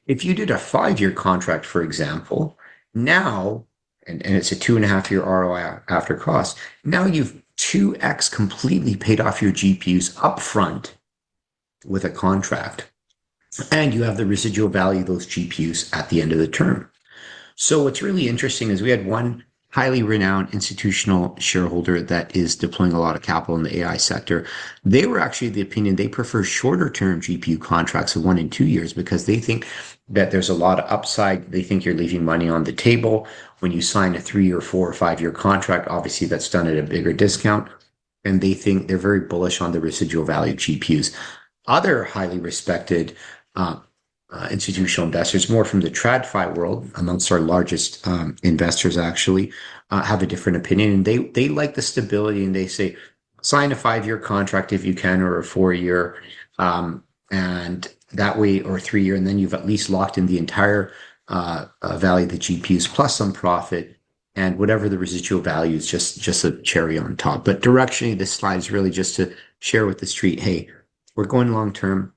C: If you did a 5-year contract, for example, and it's a 2.5-year ROI after cost, now you've 2x completely paid off your GPUs up front with a contract, and you have the residual value of those GPUs at the end of the term. What's really interesting is we had one highly renowned institutional shareholder that is deploying a lot of capital in the AI sector. They were actually of the opinion they prefer shorter-term GPU contracts of one and two years because they think that there's a lot of upside. They think you're leaving money on the table when you sign a 3 or 4 or 5-year contract. Obviously, that's done at a bigger discount, and they think they're very bullish on the residual value of GPUs. Other highly respected institutional investors, more from the TradFi world, amongst our largest investors, actually, have a different opinion. They like the stability, they say, "Sign a 5-year contract if you can, or a 4-year or 3-year, then you've at least locked in the entire value of the GPUs plus some profit and whatever the residual value is just a cherry on top." Directionally, this slide is really just to share with the Street, hey, we're going long-term,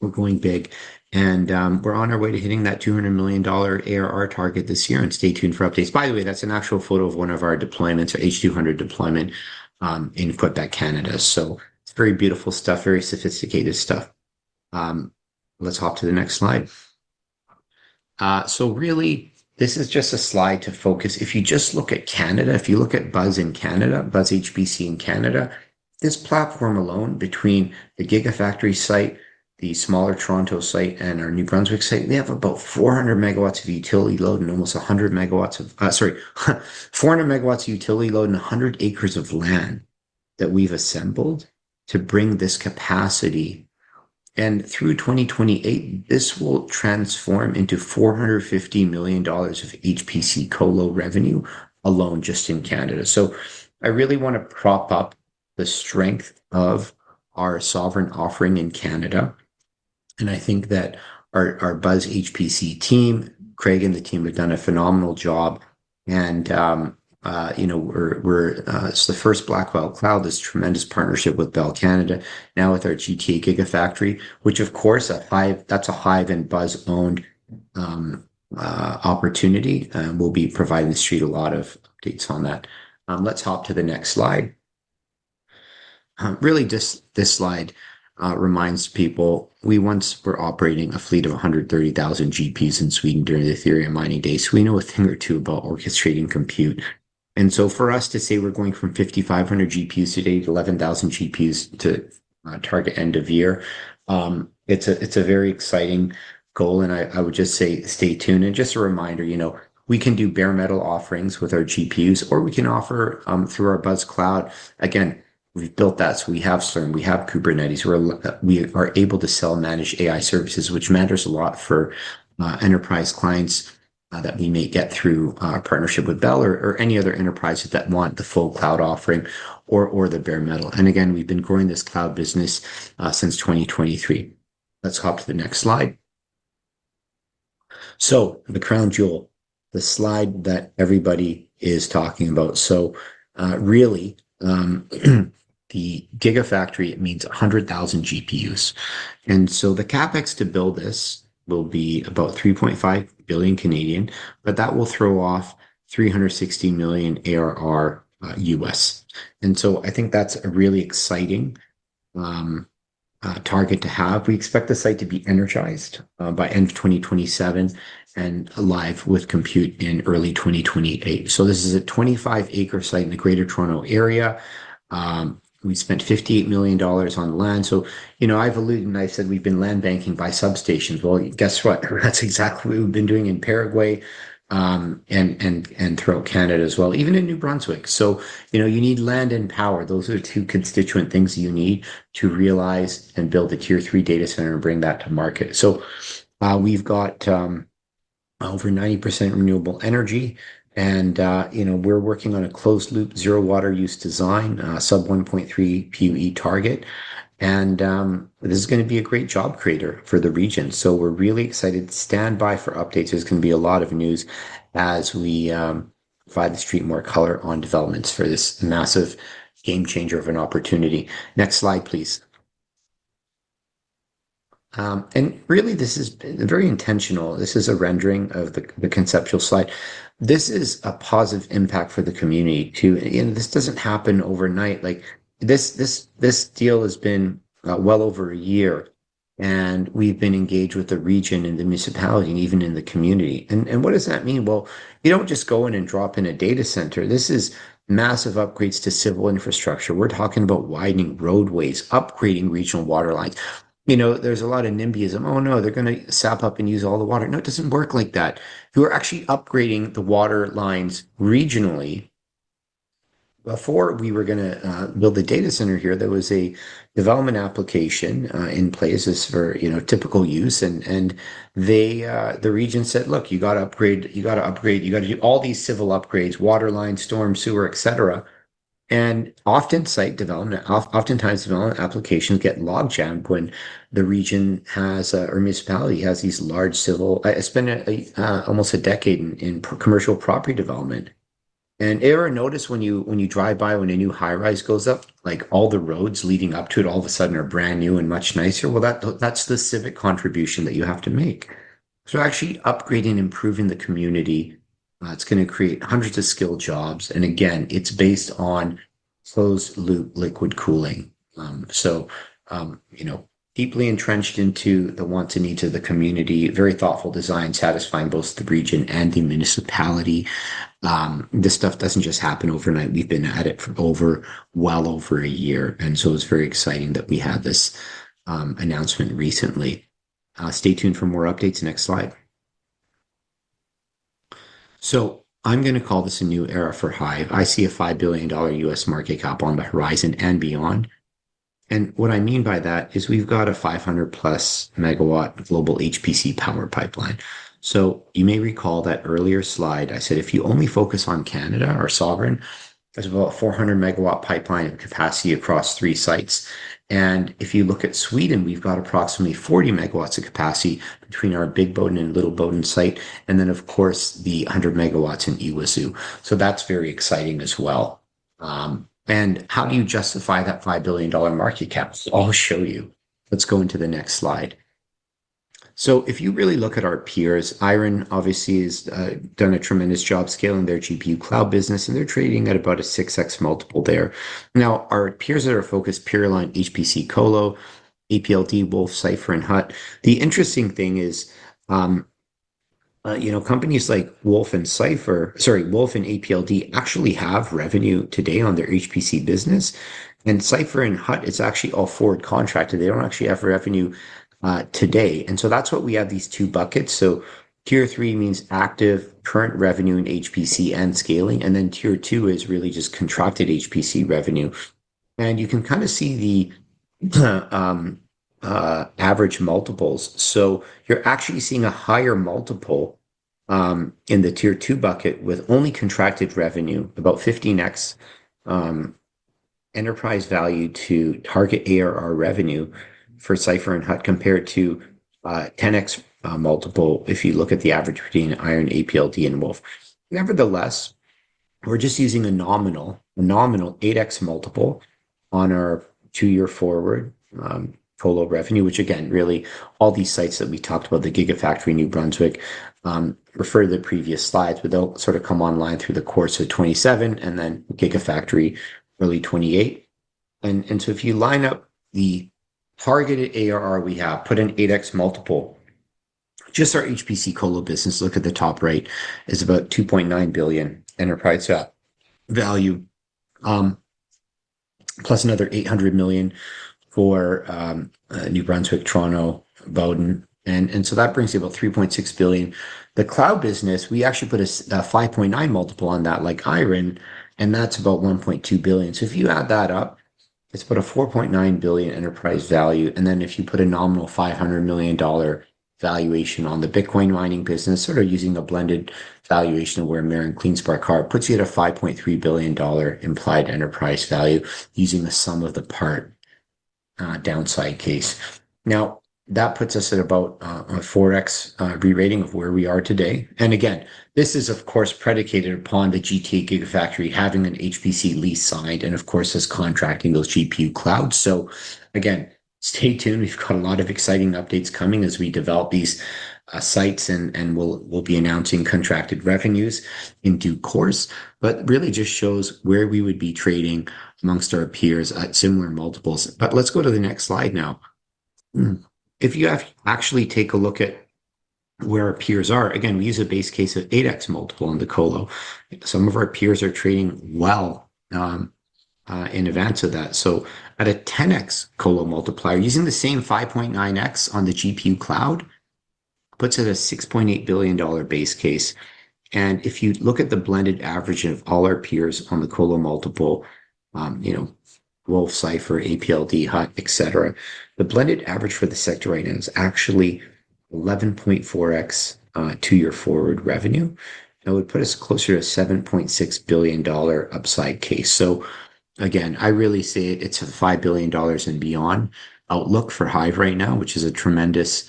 C: we're going big, we're on our way to hitting that 200 million dollar ARR target this year, stay tuned for updates. By the way, that's an actual photo of one of our deployments, our H200 deployment in Quebec, Canada. It's very beautiful stuff, very sophisticated stuff. Let's hop to the next slide. Really, this is just a slide to focus. If you just look at Canada, if you look at BUZZ in Canada, BUZZ HPC in Canada, this platform alone between the Gigafactory site, the smaller Toronto site, and our New Brunswick site, we have about 400 MW of utility load and 400 MW of utility load and 100 acres of land that we've assembled to bring this capacity. Through 2028, this will transform into 450 million dollars of HPC colo revenue alone just in Canada. I really want to prop up the strength of our sovereign offering in Canada, and I think that our BUZZ HPC team, Craig and the team have done a phenomenal job. It's the first Blackwell cloud, this tremendous partnership with Bell Canada, now with our GTA Gigafactory, which of course, that's a HIVE and BUZZ-owned opportunity. We'll be providing the Street a lot of updates on that. Let's hop to the next slide. Really just this slide reminds people we once were operating a fleet of 130,000 GPUs in Sweden during the Ethereum mining days. We know a thing or two about orchestrating compute. For us to say we're going from 5,500 GPUs today to 11,000 GPUs to target end of year, it's a very exciting goal and I would just say stay tuned. Just a reminder, we can do bare metal offerings with our GPUs or we can offer through our BUZZ Cloud. Again, we've built that so we have SLURM, we have Kubernetes. We are able to sell managed AI services, which matters a lot for enterprise clients that we may get through our partnership with Bell or any other enterprises that want the full cloud offering or the bare metal. Again, we've been growing this cloud business since 2023. Let's hop to the next slide. The crown jewel, the slide that everybody is talking about. Really the Gigafactory, it means 100,000 GPUs. The CapEx to build this will be about 3.5 billion, but that will throw off $360 million ARR. I think that's a really exciting target to have. We expect the site to be energized by end of 2027 and live with compute in early 2028. This is a 25-acre site in the Greater Toronto Area. We spent 58 million dollars on land. I've alluded and I said we've been land banking by substations. Guess what? That's exactly what we've been doing in Paraguay, and throughout Canada as well, even in New Brunswick. You need land and power. Those are the two constituent things you need to realize and build a tier 3 data center and bring that to market. We've got over 90% renewable energy, and we're working on a closed loop zero water use design, sub 1.3 PUE target. This is going to be a great job creator for the region, so we're really excited. Stand by for updates. There's going to be a lot of news as we provide the Street more color on developments for this massive game changer of an opportunity. Next slide, please. Really this is very intentional. This is a rendering of the conceptual slide. This is a positive impact for the community too, and this doesn't happen overnight. This deal has been well over a year, and we've been engaged with the region and the municipality, and even in the community. What does that mean? Well, you don't just go in and drop in a data center. This is massive upgrades to civil infrastructure. We're talking about widening roadways, upgrading regional water lines. There's a lot of NIMBYism. "Oh, no, they're going to sap up and use all the water." No, it doesn't work like that. You are actually upgrading the water lines regionally. Before we were going to build the data center here, there was a development application in place. This is for typical use. The region said, "Look, you got to do all these civil upgrades, water lines, storm sewer, et cetera." Oftentimes, development applications get logjammed when the region or municipality has these large. I spent almost a decade in commercial property development, and ever notice when you drive by when a new high-rise goes up, all the roads leading up to it all of a sudden are brand new and much nicer? Well, that's the civic contribution that you have to make. Actually upgrading, improving the community, it's going to create hundreds of skilled jobs, and again, it's based on closed loop liquid cooling. Deeply entrenched into the wants and needs of the community, very thoughtful design, satisfying both the region and the municipality. This stuff doesn't just happen overnight. We've been at it for well over a year, and so it's very exciting that we had this announcement recently. Stay tuned for more updates. Next slide. I'm going to call this a new era for HIVE Digital Technologies. I see a $5 billion U.S. market cap on the horizon and beyond. What I mean by that is we've got a 500+ MW global HPC power pipeline. You may recall that earlier slide, I said if you only focus on Canada, our sovereign, there's about a 400 MW pipeline of capacity across three sites. If you look at Sweden, we've got approximately 40 MW of capacity between our Big Boden and Little Boden site, and then of course the 100 MW in Yguazú. That's very exciting as well. How do you justify that $5 billion market cap? I'll show you. Let's go into the next slide. If you really look at our peers, iRender obviously has done a tremendous job scaling their GPU cloud business, and they're trading at about a 6x multiple there. Our peers that are focused purely on HPC colo, Applied Digital, TeraWulf, Cipher Mining, and Hut 8. Companies like TeraWulf and Cipher Mining, sorry, TeraWulf and Applied Digital actually have revenue today on their HPC business. In Cipher Mining and Hut 8, it's actually all forward contracted. They don't actually have revenue today. That's why we have these two buckets. Tier three means active current revenue in HPC and scaling, and then tier two is really just contracted HPC revenue. You can kind of see the average multiples. You're actually seeing a higher multiple in the tier two bucket with only contracted revenue, about 15x enterprise value to target ARR revenue for Cipher Mining and Hut 8 compared to 10x multiple if you look at the average between Iron, Applied Digital, and TeraWulf. Nevertheless, we're just using a nominal 8x multiple on our 2-year forward colo revenue, which again, really all these sites that we talked about, the Gigafactory New Brunswick, refer to the previous slides, but they'll sort of come online through the course of 2027 and then Gigafactory early 2028. If you line up the targeted ARR we have, put an 8x multiple, just our HPC colo business, look at the top right, is about 2.9 billion enterprise value, plus another 800 million for New Brunswick, Toronto, Boden. That brings you to about 3.6 billion. The cloud business, we actually put a 5.9 multiple on that like Iron, and that is about 1.2 billion. If you add that up, it is about a 4.9 billion enterprise value. If you put a nominal 500 million dollar valuation on the Bitcoin mining business, sort of using a blended valuation of where MARA and CleanSpark are, puts you at a 5.3 billion dollar implied enterprise value using the sum-of-the-parts downside case. That puts us at about a 4x re-rating of where we are today. This is of course predicated upon the GTA Gigafactory having an HPC lease signed and of course us contracting those GPU clouds. Stay tuned. We've got a lot of exciting updates coming as we develop these sites and we'll be announcing contracted revenues in due course, really just shows where we would be trading amongst our peers at similar multiples. Let's go to the next slide now. If you actually take a look at where our peers are, again, we use a base case of 8x multiple on the colo. Some of our peers are trading well in advance of that. At a 10x colo multiplier, using the same 5.9x on the GPU cloud, puts it at a 6.8 billion dollar base case. If you look at the blended average of all our peers on the colo multiple, TeraWulf, Cipher Mining, Applied Digital, Hut 8, et cetera, the blended average for the sector right now is actually 11.4x two-year forward revenue. That would put us closer to a 7.6 billion dollar upside case. Again, I really see it's a $5 billion and beyond outlook for HIVE right now, which is a tremendously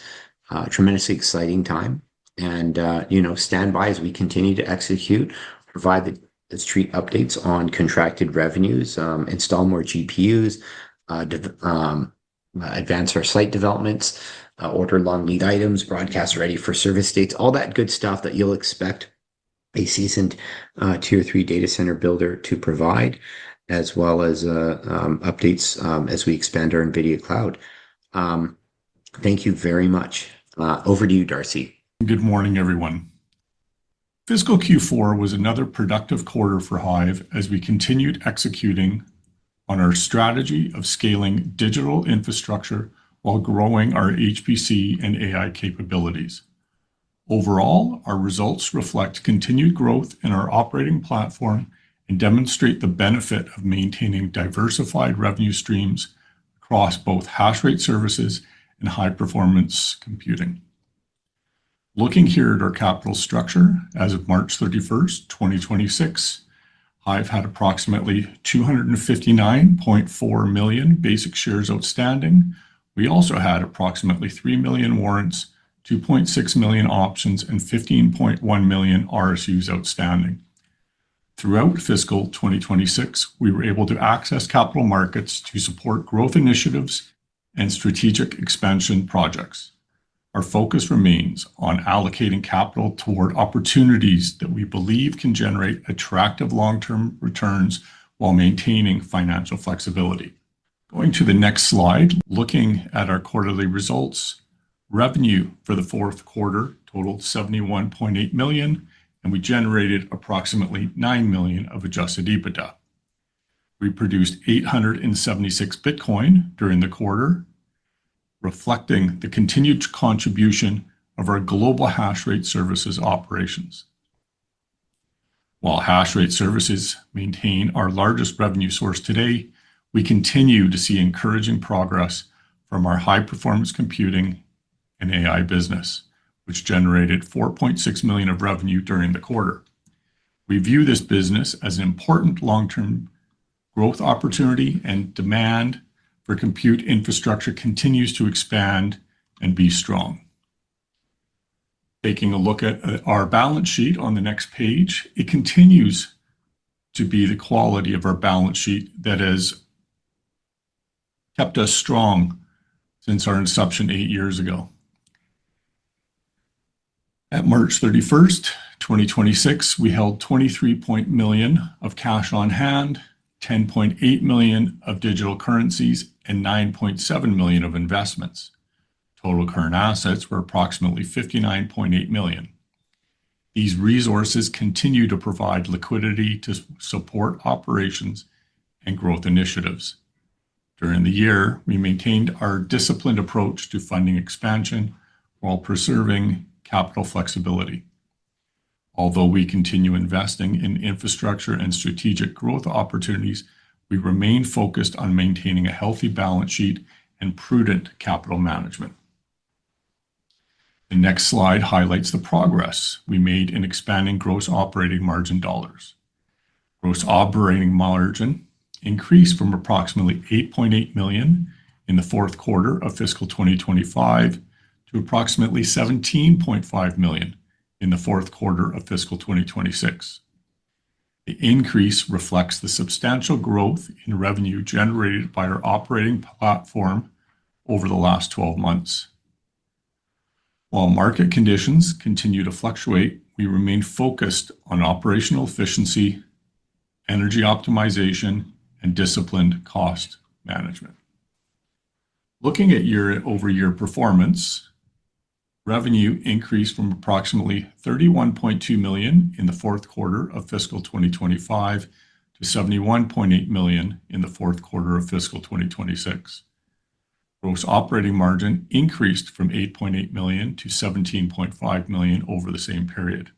C: exciting time. Stand by as we continue to execute, provide the street updates on contracted revenues, install more GPUs, advance our site developments, order long lead items, broadcast ready-for-service dates, all that good stuff that you'll expect a seasoned tier three data center builder to provide, as well as updates as we expand our NVIDIA cloud. Thank you very much. Over to you, Darcy.
D: Good morning, everyone. Fiscal Q4 was another productive quarter for HIVE as we continued executing on our strategy of scaling digital infrastructure while growing our HPC and AI capabilities. Overall, our results reflect continued growth in our operating platform and demonstrate the benefit of maintaining diversified revenue streams across both hash rate services and high-performance computing. Looking here at our capital structure as of March 31st, 2026, HIVE had approximately 259.4 million basic shares outstanding. We also had approximately 3 million warrants, 2.6 million options, and 15.1 million RSUs outstanding. Throughout fiscal 2026, we were able to access capital markets to support growth initiatives and strategic expansion projects. Our focus remains on allocating capital toward opportunities that we believe can generate attractive long-term returns while maintaining financial flexibility. Going to the next slide. Looking at our quarterly results, revenue for the fourth quarter totaled 71.8 million, we generated approximately 9 million of adjusted EBITDA. We produced 876 Bitcoin during the quarter, reflecting the continued contribution of our global hash rate services operations. While hash rate services maintain our largest revenue source today, we continue to see encouraging progress from our High-Performance Computing and AI business, which generated 4.6 million of revenue during the quarter. We view this business as an important long-term growth opportunity, demand for compute infrastructure continues to expand and be strong. Taking a look at our balance sheet on the next page, it continues to be the quality of our balance sheet that has kept us strong since our inception eight years ago. At March 31st, 2026, we held 23 million of cash on hand, 10.8 million of digital currencies and 9.7 million of investments. Total current assets were approximately 59.8 million. These resources continue to provide liquidity to support operations and growth initiatives. During the year, we maintained our disciplined approach to funding expansion while preserving capital flexibility. Although we continue investing in infrastructure and strategic growth opportunities, we remain focused on maintaining a healthy balance sheet and prudent capital management. The next slide highlights the progress we made in expanding gross operating margin dollars. Gross operating margin increased from approximately 8.8 million in the fourth quarter of FY 2025 to approximately 17.5 million in the fourth quarter of FY 2026. The increase reflects the substantial growth in revenue generated by our operating platform over the last 12 months. While market conditions continue to fluctuate, we remain focused on operational efficiency, energy optimization, and disciplined cost management. Looking at year-over-year performance, revenue increased from approximately $31.2 million in the fourth quarter of fiscal 2025 to $71.8 million in the fourth quarter of fiscal 2026. Gross operating margin increased from $8.8 million-$17.5 million over the same period.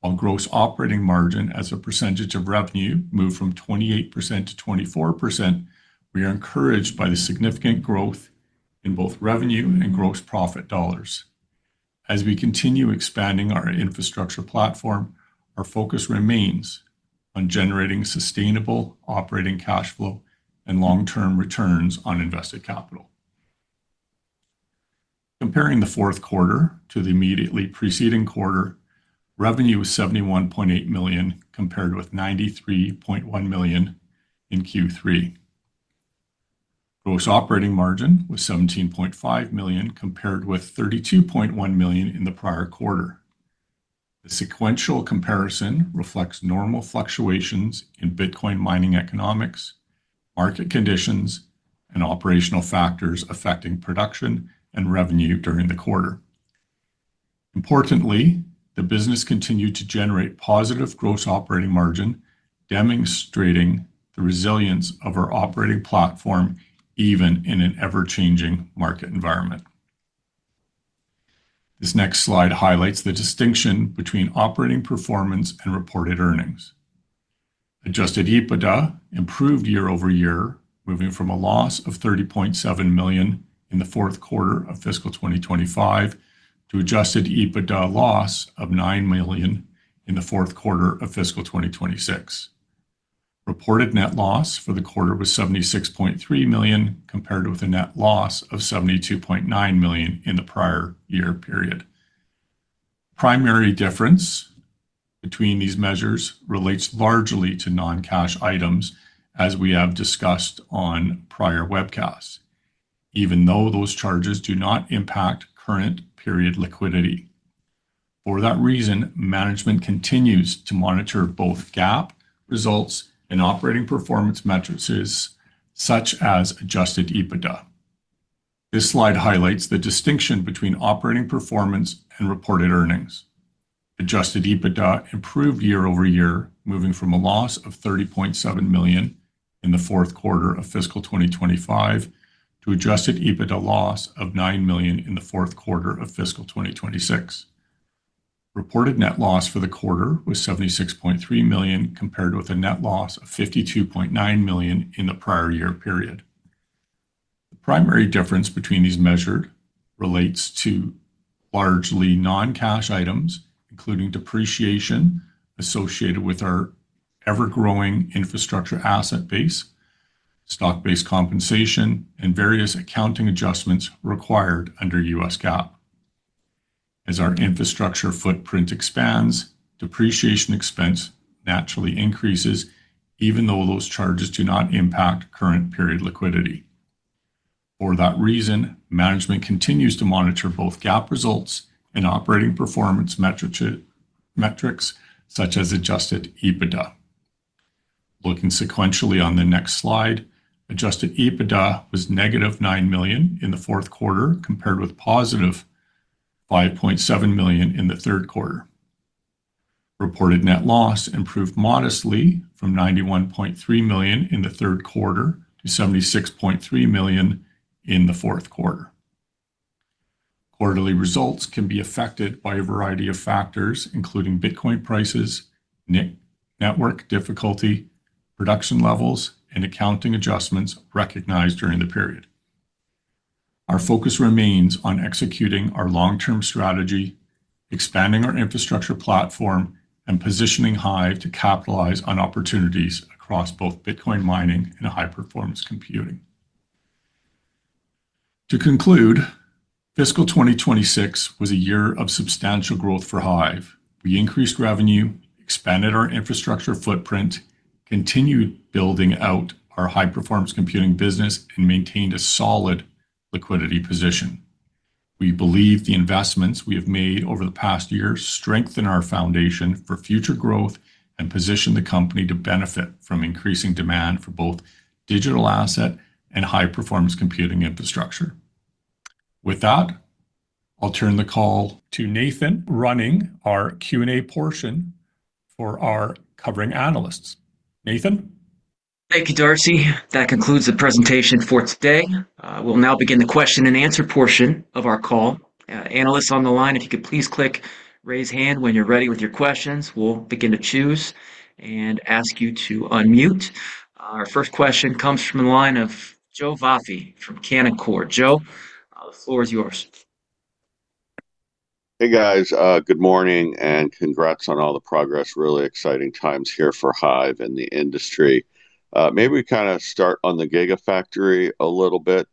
D: While gross operating margin as a percentage of revenue moved from 28%-24%, we are encouraged by the significant growth in both revenue and gross profit dollars. As we continue expanding our infrastructure platform, our focus remains on generating sustainable operating cash flow and long-term returns on invested capital. Comparing the fourth quarter to the immediately preceding quarter, revenue was $71.8 million compared with $93.1 million in Q3. Gross operating margin was $17.5 million compared with $32.1 million in the prior quarter. The sequential comparison reflects normal fluctuations in Bitcoin mining economics, market conditions, and operational factors affecting production and revenue during the quarter. Importantly, the business continued to generate positive gross operating margin, demonstrating the resilience of our operating platform even in an ever-changing market environment. This next slide highlights the distinction between operating performance and reported earnings. Adjusted EBITDA improved year-over-year, moving from a loss of 30.7 million in the fourth quarter of fiscal 2025 to adjusted EBITDA loss of 9 million in the fourth quarter of fiscal 2026. Reported net loss for the quarter was 76.3 million compared with a net loss of 72.9 million in the prior year period. Primary difference between these measures relates largely to non-cash items as we have discussed on prior webcasts even though those charges do not impact current period liquidity. For that reason, management continues to monitor both GAAP results and operating performance metrics such as adjusted EBITDA. This slide highlights the distinction between operating performance and reported earnings. Adjusted EBITDA improved year-over-year, moving from a loss of 30.7 million in the fourth quarter of fiscal 2025 to adjusted EBITDA loss of 9 million in the fourth quarter of fiscal 2026. Reported net loss for the quarter was 76.3 million compared with a net loss of 52.9 million in the prior year period. The primary difference between these measured relates to largely non-cash items including depreciation associated with our ever-growing infrastructure asset base, stock-based compensation, and various accounting adjustments required under US GAAP. As our infrastructure footprint expands, depreciation expense naturally increases even though those charges do not impact current period liquidity. For that reason, management continues to monitor both GAAP results and operating performance metrics such as adjusted EBITDA. Looking sequentially on the next slide, adjusted EBITDA was negative 9 million in the fourth quarter compared with positive 5.7 million in the third quarter. Reported net loss improved modestly from 91.3 million in the third quarter to 76.3 million in the fourth quarter. Quarterly results can be affected by a variety of factors including Bitcoin prices, network difficulty, production levels, and accounting adjustments recognized during the period. Our focus remains on executing our long-term strategy, expanding our infrastructure platform, and positioning HIVE to capitalize on opportunities across both Bitcoin mining and high-performance computing. To conclude, fiscal 2026 was a year of substantial growth for HIVE. We increased revenue, expanded our infrastructure footprint, continued building out our high-performance computing business, and maintained a solid liquidity position. We believe the investments we have made over the past year strengthen our foundation for future growth and position the company to benefit from increasing demand for both digital asset and high-performance computing infrastructure. With that, I'll turn the call to Nathan running our Q&A portion for our covering analysts. Nathan?
A: Thank you, Darcy. That concludes the presentation for today. We will now begin the question and answer portion of our call. Analysts on the line, if you could please click raise hand when you are ready with your questions, we will begin to choose and ask you to unmute. Our first question comes from the line of Joe Vafi from Canaccord. Joe, the floor is yours.
E: Hey, guys. Good morning and congrats on all the progress. Really exciting times here for HIVE and the industry. Maybe we start on the gigafactory a little bit.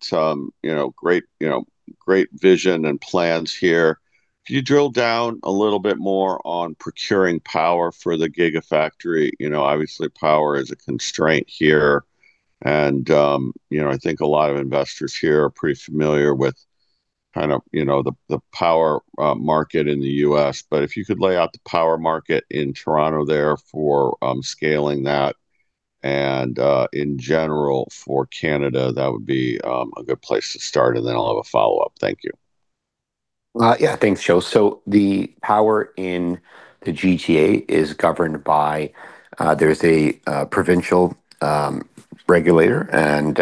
E: Great vision and plans here. Could you drill down a little bit more on procuring power for the gigafactory? Obviously, power is a constraint here, and I think a lot of investors here are pretty familiar with the power market in the U.S. If you could lay out the power market in Toronto there for scaling that and in general for Canada, that would be a good place to start. Then I'll have a follow-up. Thank you.
C: Yeah. Thanks, Joe. The power in the GTA is governed by, there's a provincial regulator, and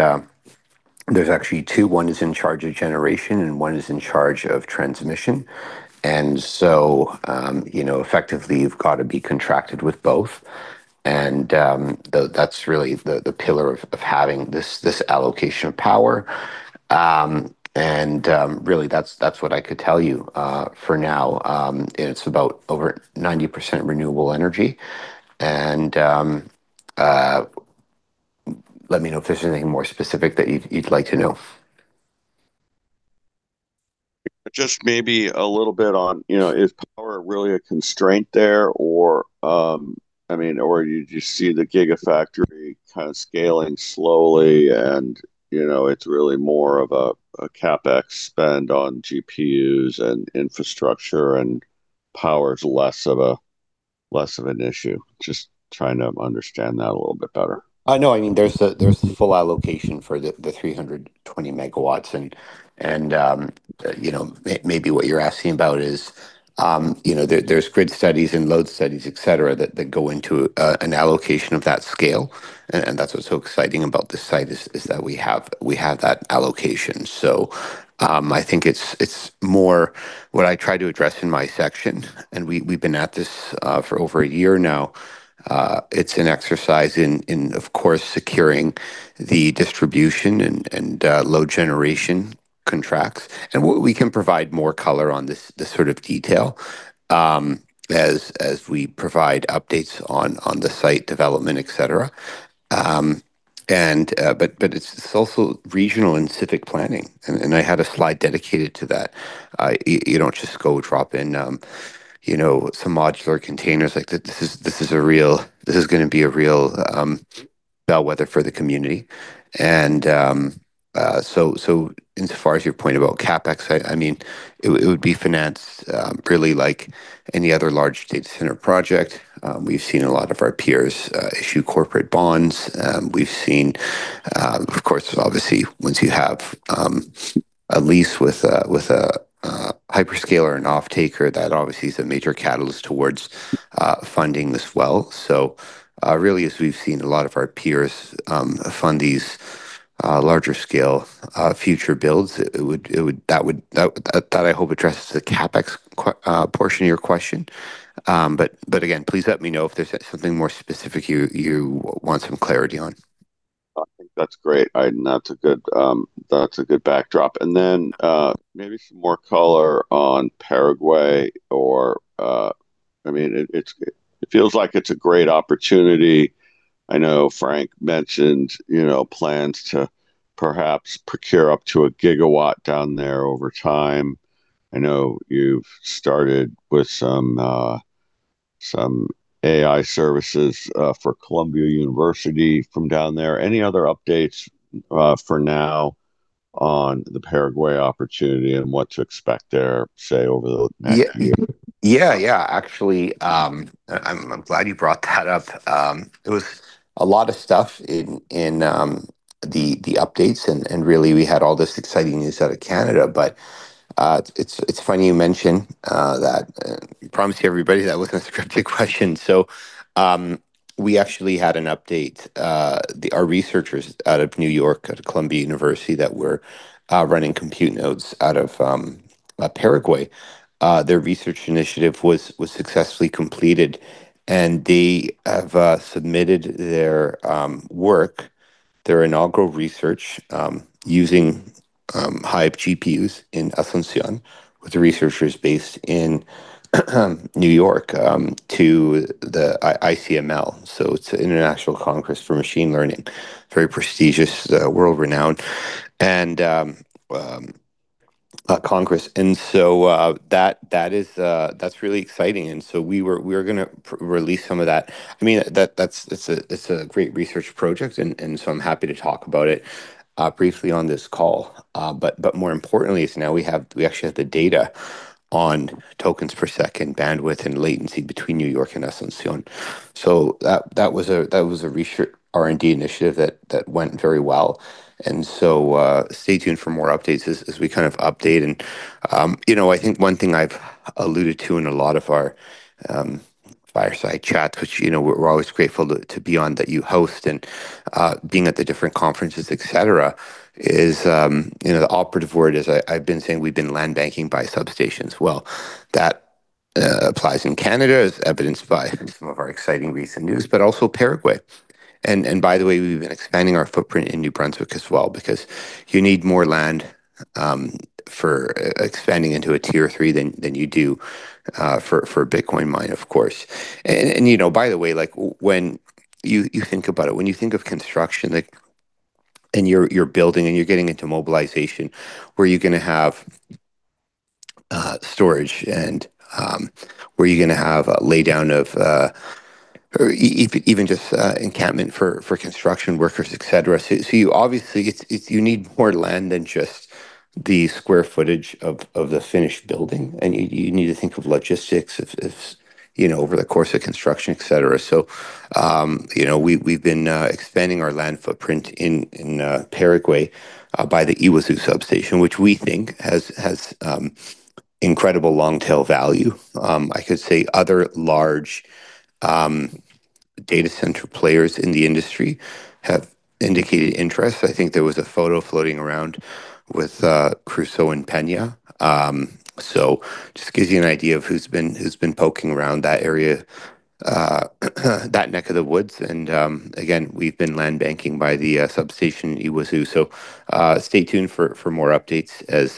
C: there's actually two. One is in charge of generation, and one is in charge of transmission. Effectively, you've got to be contracted with both. That's really the pillar of having this allocation of power. Really that's what I could tell you for now. It's about over 90% renewable energy, and let me know if there's anything more specific that you'd like to know.
E: Just maybe a little bit on, is power really a constraint there? Do you see the gigafactory kind of scaling slowly and it's really more of a CapEx spend on GPUs and infrastructure, and power is less of an issue? Just trying to understand that a little bit better.
C: There's the full allocation for the 320 MW and maybe what you're asking about is there's grid studies and load studies, et cetera, that go into an allocation of that scale. That's what's so exciting about this site is that we have that allocation. I think it's more what I try to address in my section, and we've been at this for over a year now. It's an exercise in, of course, securing the distribution and load generation contracts. We can provide more color on this sort of detail as we provide updates on the site development, et cetera. It's also regional and civic planning, and I had a slide dedicated to that. You don't just go drop in some modular containers like this is going to be a real bellwether for the community. Insofar as your point about CapEx, it would be financed really like any other large data center project. We've seen a lot of our peers issue corporate bonds. We've seen, of course, obviously once you have a lease with a hyperscaler and offtaker, that obviously is a major catalyst towards funding this well. Really as we've seen a lot of our peers fund these larger scale future builds, that I hope addresses the CapEx portion of your question. Again, please let me know if there's something more specific you want some clarity on.
E: I think that's great. That's a good backdrop. Maybe some more color on Paraguay, or it feels like it's a great opportunity. I know Frank mentioned plans to perhaps procure up to a gigawatt down there over time. I know you've started with some AI services for Columbia University from down there. Any other updates for now on the Paraguay opportunity and what to expect there, say, over the next year?
C: Yeah. Actually, I'm glad you brought that up. It was a lot of stuff in the updates and really we had all this exciting news out of Canada. It's funny you mention that. Promise you, everybody, that wasn't a scripted question. We actually had an update. Our researchers out of New York out of Columbia University that were running compute nodes out of Paraguay, their research initiative was successfully completed, and they have submitted their work, their inaugural research using HIVE GPUs in Asunción with the researchers based in New York, to the ICML. It's the International Congress for Machine Learning, very prestigious, world-renowned. That's really exciting. We're going to release some of that. It's a great research project, and so I'm happy to talk about it briefly on this call. More importantly is now we actually have the data on tokens per second bandwidth and latency between New York and Asunción. That was a research R&D initiative that went very well. Stay tuned for more updates as we kind of update and I think one thing I've alluded to in a lot of our fireside chats, which we're always grateful to be on, that you host and being at the different conferences, et cetera, is the operative word is I've been saying we've been land banking by substations. Well, that applies in Canada as evidenced by some of our exciting recent news, but also Paraguay. By the way, we've been expanding our footprint in New Brunswick as well because you need more land for expanding into a tier three than you do for a Bitcoin mine, of course. By the way, when you think about it, when you think of construction and you're building and you're getting into mobilization, where you're going to have storage and where you're going to have a laydown of or even just encampment for construction workers, et cetera. Obviously you need more land than just the square footage of the finished building, and you need to think of logistics over the course of construction, et cetera. We've been expanding our land footprint in Paraguay by the Yguazú substation, which we think has incredible long tail value. I could say other large data center players in the industry have indicated interest. I think there was a photo floating around with Crusoe and Peña. Just gives you an idea of who's been poking around that area, that neck of the woods. Again, we've been land banking by the substation, Yguazú. Stay tuned for more updates as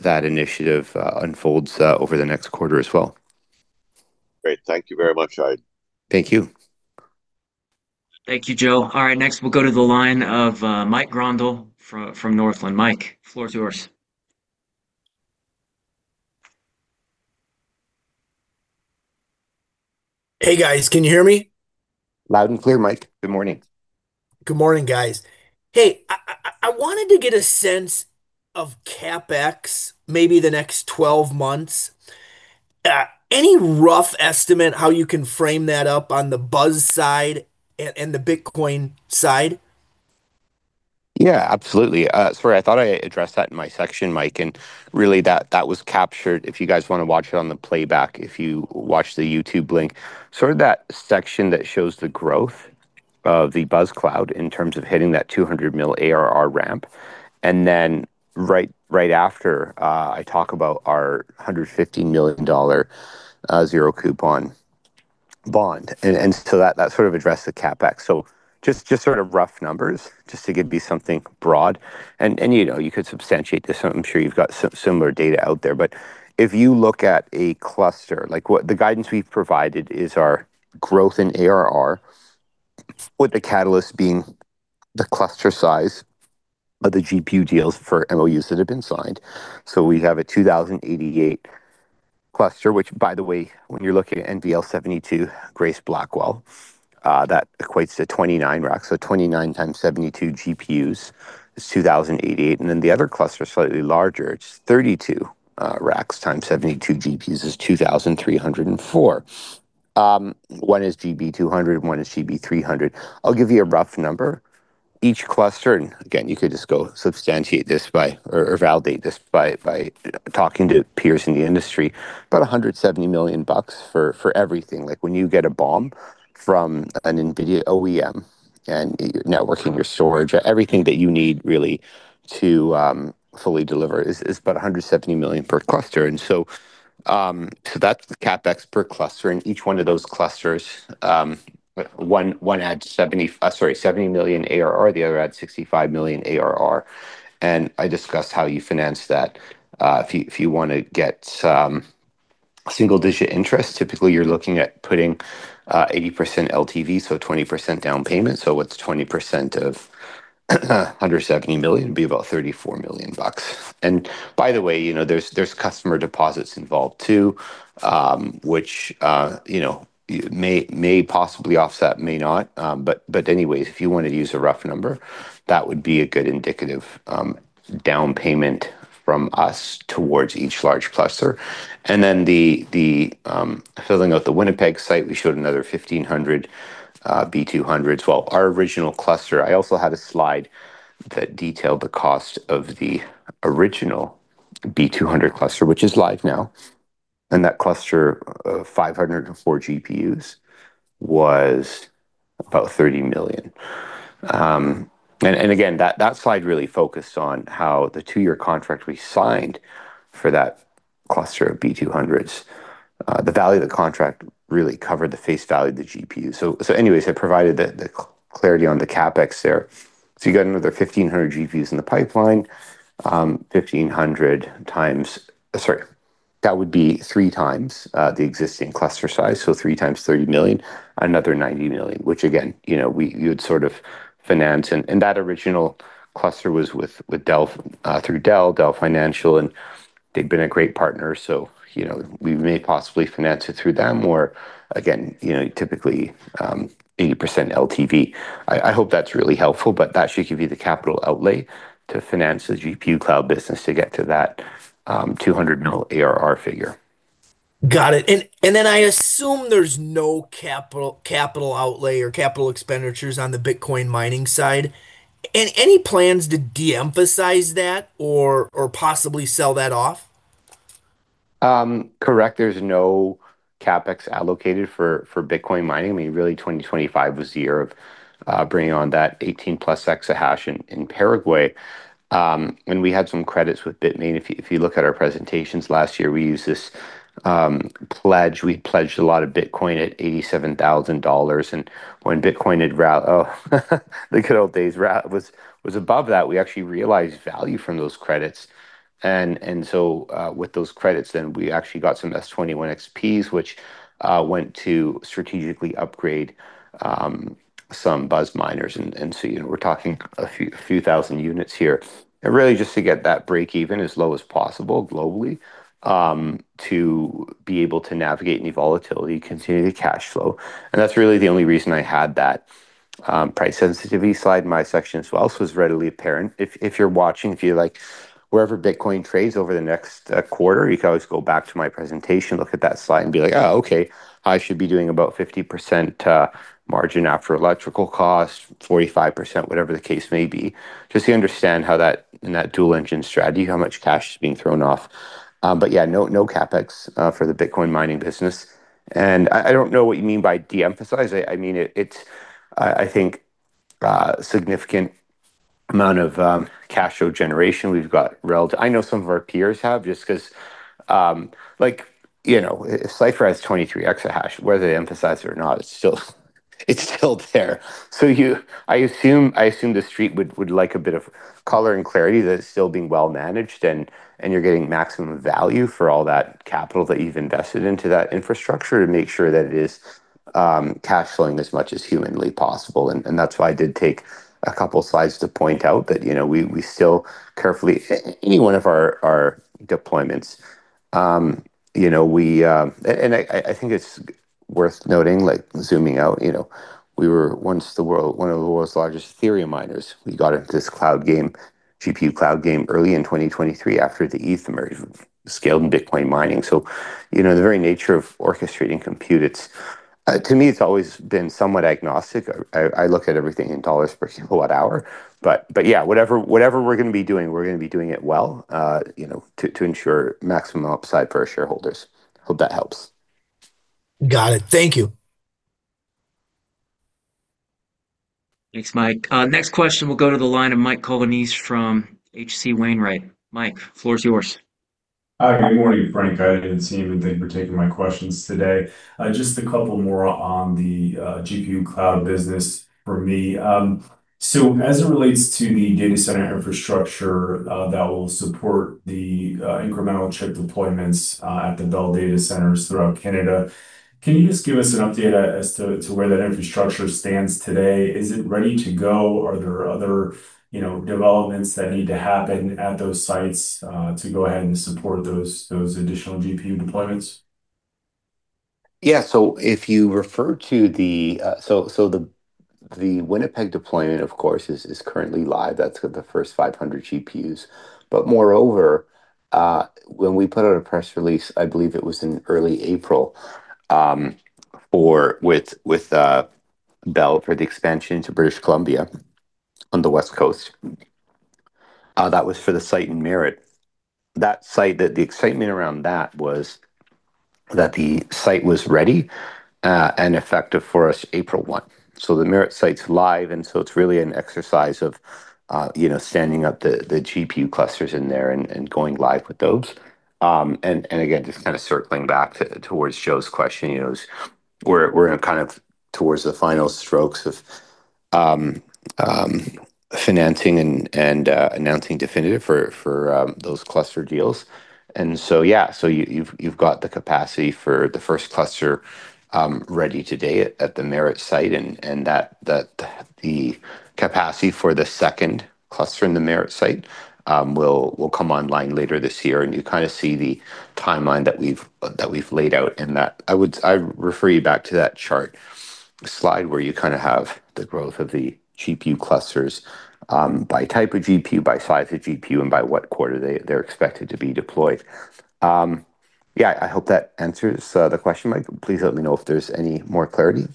C: that initiative unfolds over the next quarter as well.
E: Great. Thank you very much, Aydin.
C: Thank you.
A: Thank you, Joe. All right, next we'll go to the line of Mike Grondahl from Northland. Mike, floor is yours.
F: Hey guys, can you hear me?
C: Loud and clear, Mike. Good morning.
F: Good morning, guys. Hey, I wanted to get a sense of CapEx maybe the next 12 months. Any rough estimate how you can frame that up on the BUZZ side and the Bitcoin side?
C: Yeah, absolutely. Sorry, I thought I addressed that in my section, Mike. Really, that was captured. If you guys want to watch it on the playback, if you watch the YouTube link, sort of that section that shows the growth of the Buzz Cloud in terms of hitting that 200 million ARR ramp. Right after, I talk about our 150 million dollar zero coupon bond. That sort of addressed the CapEx. Just sort of rough numbers just to give you something broad and you could substantiate this. I'm sure you've got similar data out there. If you look at a cluster, like what the guidance we've provided is our growth in ARR with the catalyst being the cluster size of the GPU deals for MOUs that have been signed. We have a 2,088 cluster, which by the way, when you're looking at NVL72 Grace Blackwell that equates to 29 racks. 29 x 72 GPUs is 2,088, and then the other cluster is slightly larger. It's 32 racks x 72 GPUs is 2,304. One is GB200, one is GB300. I'll give you a rough number. Each cluster, and again, you could just go substantiate this or validate this by talking to peers in the industry. About 170 million bucks for everything. When you get a BOM from an NVIDIA OEM and your networking, your storage, everything that you need really to fully deliver is about 170 million per cluster. That's the CapEx per cluster. Each one of those clusters, one had 70 million ARR, the other had 65 million ARR. I discussed how you finance that. If you want to get single-digit interest, typically you're looking at putting 80% LTV, so 20% down payment. What's 20% of 170 million? It'd be about 34 million bucks. By the way, there's customer deposits involved too, which may possibly offset, may not. Anyways, if you want to use a rough number, that would be a good indicative down payment from us towards each large cluster. Then filling out the Winnipeg site, we showed another 1,500 NVIDIA B200. Our original cluster, I also had a slide that detailed the cost of the original NVIDIA B200 cluster, which is live now. That cluster of 504 GPUs was about 30 million. Again, that slide really focused on how the two-year contract we signed for that cluster of NVIDIA B200s, the value of the contract really covered the face value of the GPU. Anyways, I provided the clarity on the CapEx there. You got another 1,500 GPUs in the pipeline. 1,500x. Sorry, that would be 3x the existing cluster size, so three times 30 million, another 90 million. Which again, you would sort of finance. That original cluster was through Dell Financial, and they've been a great partner, so we may possibly finance it through them, or again, typically, 80% LTV. I hope that's really helpful, but that should give you the capital outlay to finance the GPU cloud business to get to that 200 million ARR figure.
F: Got it. I assume there's no capital outlay or capital expenditures on the Bitcoin mining side. Any plans to de-emphasize that or possibly sell that off?
C: Correct. There's no CapEx allocated for Bitcoin mining. Really 2025 was the year of bringing on that 18+ exahash in Paraguay. We had some credits with Bitmain. If you look at our presentations last year, we used this pledge. We pledged a lot of Bitcoin at $87,000. The good old days. Rout was above that. We actually realized value from those credits. With those credits we actually got some S21 XPs, which went to strategically upgrade some BuzzMiners. We're talking a few thousand units here, and really just to get that break even as low as possible globally, to be able to navigate any volatility, continue the cash flow. That's really the only reason I had that price sensitivity slide in my section as well. It was readily apparent. If you're watching, if you like, wherever Bitcoin trades over the next quarter, you can always go back to my presentation, look at that slide and be like, "Oh, okay. I should be doing about 50% margin after electrical cost, 45%," whatever the case may be, just to understand how that, in that dual engine strategy, how much cash is being thrown off. Yeah, no CapEx for the Bitcoin mining business. I don't know what you mean by de-emphasize it. I think a significant amount of cash flow generation we've got relative-- I know some of our peers have just because, Cipher has 23 exahash. Whether they emphasize it or not, it's still there. I assume the Street would like a bit of color and clarity that it's still being well managed and you're getting maximum value for all that capital that you've invested into that infrastructure to make sure that it is cash flowing as much as humanly possible. That's why I did take a couple slides to point out that we still carefully Any one of our deployments. I think it's worth noting, zooming out, we were once one of the world's largest Ethereum miners. We got into this cloud game, GPU cloud game early in 2023 after the Ether merge, scaled in Bitcoin mining. The very nature of orchestrating compute, to me, it's always been somewhat agnostic. I look at everything in dollars per kilowatt hour. Yeah, whatever we're going to be doing, we're going to be doing it well, to ensure maximum upside for our shareholders. Hope that helps.
F: Got it. Thank you.
A: Thanks, Mike. Next question will go to the line of Mike Colonnese from H.C. Wainwright. Mike, floor is yours.
G: Hi. Good morning, Frank, Aydin, and team. Thank you for taking my questions today. Just a couple more on the GPU cloud business for me. As it relates to the data center infrastructure that will support the incremental chip deployments at the Dell data centers throughout Canada, can you just give us an update as to where that infrastructure stands today? Is it ready to go? Are there other developments that need to happen at those sites to go ahead and support those additional GPU deployments?
C: Yeah. The Winnipeg deployment, of course, is currently live. That's got the first 500 GPUs. Moreover, when we put out a press release, I believe it was in early April, with Dell for the expansion to British Columbia on the West Coast. That was for the site in Merritt. The excitement around that was that the site was ready and effective for us April 1. The Merritt site's live, and it's really an exercise of standing up the GPU clusters in there and going live with those. Again, just kind of circling back towards Joe's question, we're kind of towards the final strokes of financing and announcing definitive for those cluster deals. Yeah, you've got the capacity for the first cluster ready today at the Merritt site and the capacity for the second cluster in the Merritt site will come online later this year. You kind of see the timeline that we've laid out in that. I refer you back to that chart slide where you have the growth of the GPU clusters by type of GPU, by size of GPU, and by what quarter they're expected to be deployed. I hope that answers the question, Mike. Please let me know if there's any more clarity.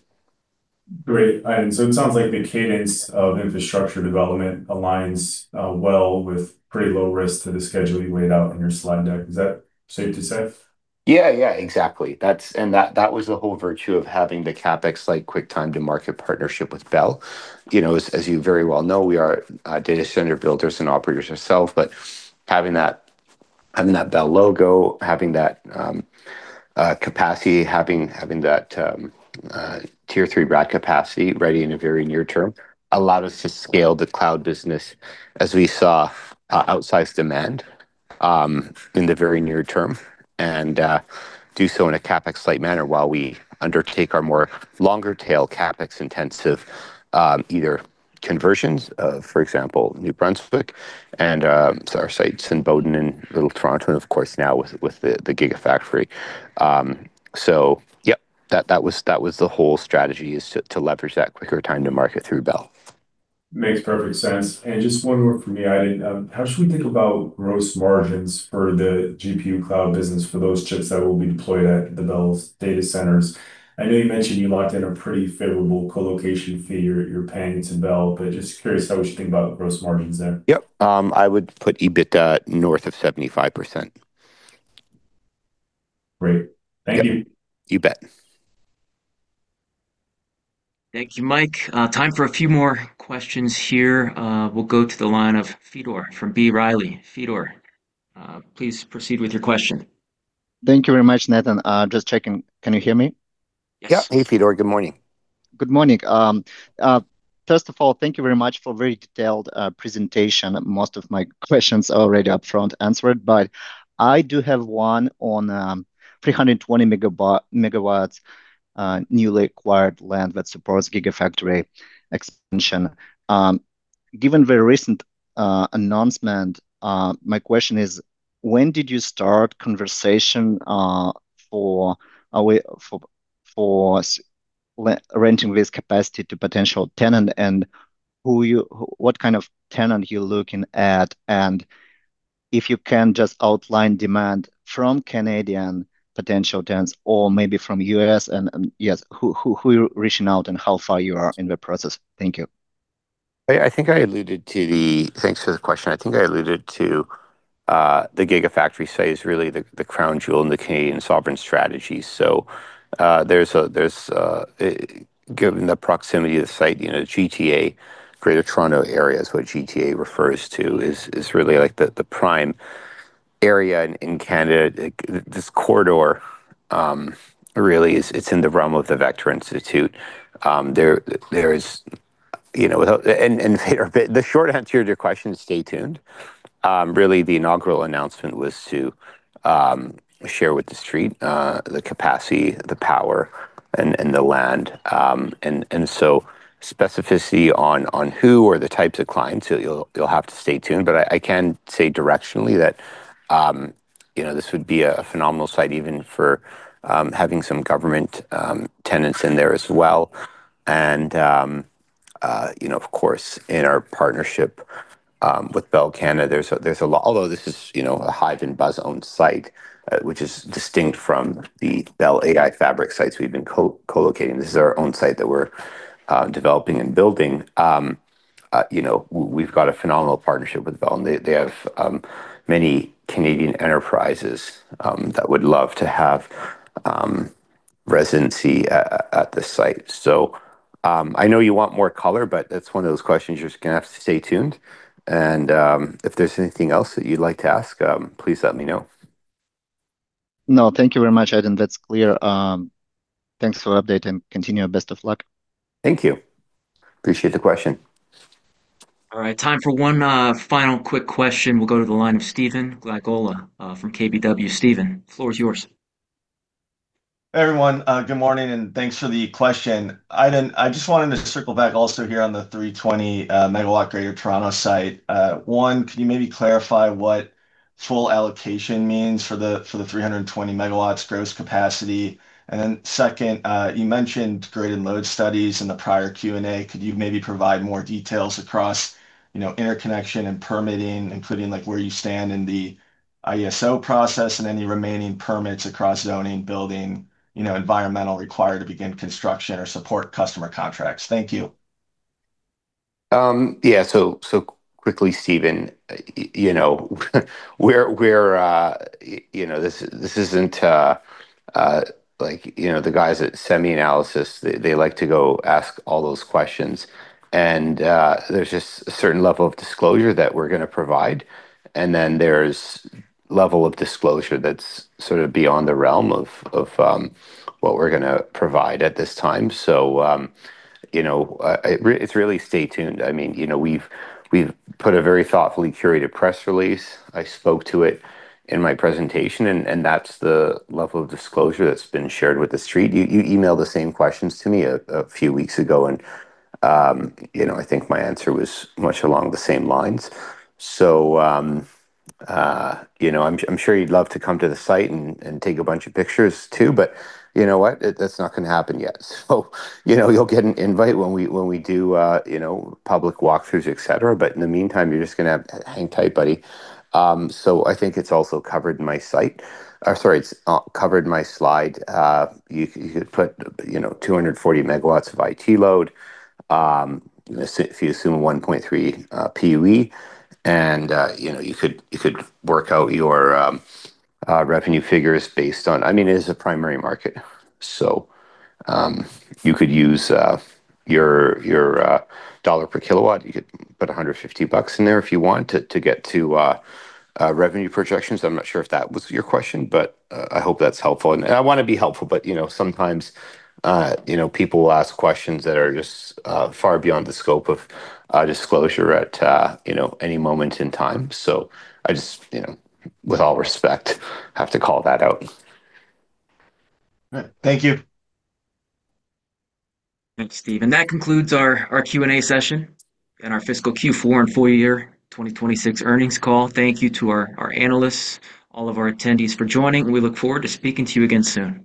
G: Great. It sounds like the cadence of infrastructure development aligns well with pretty low risk to the schedule you laid out in your slide deck. Is that safe to say?
C: Yeah, exactly. That was the whole virtue of having the CapEx-like quick time to market partnership with Dell. As you very well know, we are data center builders and operators ourselves, but having that Dell logo, having that capacity, having that tier three rack capacity ready in the very near term allowed us to scale the cloud business as we saw outsized demand in the very near term, and do so in a CapEx-light manner while we undertake our more longer tail CapEx intensive, either conversions, for example, New Brunswick and our sites in Boden and Little Boden, and of course now with the Gigafactory. Yep, that was the whole strategy, is to leverage that quicker time to market through Dell.
G: Makes perfect sense. Just one more from me, Aydin. How should we think about gross margins for the GPU cloud business for those chips that will be deployed at Bell's data centers? I know you mentioned you locked in a pretty favorable co-location fee you're paying to Bell, but just curious how we should think about gross margins there.
C: Yep. I would put EBITDA north of 75%.
G: Great. Thank you.
C: You bet.
A: Thank you, Mike. Time for a few more questions here. We'll go to the line of Fedor from B. Riley. Fedor, please proceed with your question.
H: Thank you very much, Nathan. Just checking, can you hear me?
C: Yep. Hey, Fedor. Good morning.
H: Good morning. First of all, thank you very much for a very detailed presentation. Most of my questions are already upfront answered. I do have one on 320 MW newly acquired land that supports Gigafactory expansion. Given the recent announcement, my question is, when did you start conversation for renting this capacity to potential tenant, and what kind of tenant you're looking at? If you can just outline demand from Canadian potential tenants or maybe from U.S., and yes, who you're reaching out, and how far you are in the process. Thank you.
C: Thanks for the question. I think I alluded to the Gigafactory site as really the crown jewel in the Canadian sovereign strategy. Given the proximity of the site, the GTA, Greater Toronto Area is what GTA refers to, is really the prime area in Canada. This corridor, really it's in the realm of the Vector Institute. The short answer to your question is stay tuned. Really, the inaugural announcement was to share with the street the capacity, the power, and the land. Specificity on who or the types of clients, you'll have to stay tuned. I can say directionally that this would be a phenomenal site even for having some government tenants in there as well. Of course, in our partnership with Bell Canada, although this is a HIVE and BUZZ-owned site, which is distinct from the Bell AI Fabric sites we've been co-locating. This is our own site that we're developing and building. We've got a phenomenal partnership with Bell. They have many Canadian enterprises that would love to have residency at the site. I know you want more color. That's one of those questions you're just going to have to stay tuned. If there's anything else that you'd like to ask, please let me know.
H: No, thank you very much, Aydin. That's clear. Thanks for update and continue. Best of luck.
C: Thank you. Appreciate the question.
A: All right. Time for one final quick question. We'll go to the line of Stephen Glagola from KBW. Stephen, floor is yours.
I: Hey, everyone. Good morning. Thanks for the question. Aydin, I just wanted to circle back also here on the 320 MW Greater Toronto site. One, could you maybe clarify what full allocation means for the 320 MW gross capacity? Second, you mentioned grid and load studies in the prior Q&A. Could you maybe provide more details across interconnection and permitting, including where you stand in the IESO process and any remaining permits across zoning, building, environmental required to begin construction or support customer contracts? Thank you.
C: Quickly, Stephen, this isn't like the guys at SemiAnalysis, they like to go ask all those questions. There's just a certain level of disclosure that we're going to provide, and then there's level of disclosure that's sort of beyond the realm of what we're going to provide at this time. It's really stay tuned. We've put a very thoughtfully curated press release. I spoke to it in my presentation, and that's the level of disclosure that's been shared with the street. You emailed the same questions to me a few weeks ago, and I think my answer was much along the same lines. I'm sure you'd love to come to the site and take a bunch of pictures too, but you know what? That's not going to happen yet. You'll get an invite when we do public walkthroughs, et cetera. In the meantime, you're just going to have to hang tight, buddy. I think it's also covered my site, or sorry, it's covered my slide. You could put 240 MW of IT load. If you assume a 1.3 PUE and you could work out your revenue figures based on, it is a primary market. You could use your CAD per kilowatt. You could put 150 bucks in there if you want to get to revenue projections. I'm not sure if that was your question, but I hope that's helpful. I want to be helpful, but sometimes people will ask questions that are just far beyond the scope of disclosure at any moment in time. I just, with all respect, have to call that out.
I: All right. Thank you.
A: Thanks, Stephen. That concludes our Q&A session and our fiscal Q4 and full year 2026 earnings call. Thank you to our analysts, all of our attendees for joining, and we look forward to speaking to you again soon.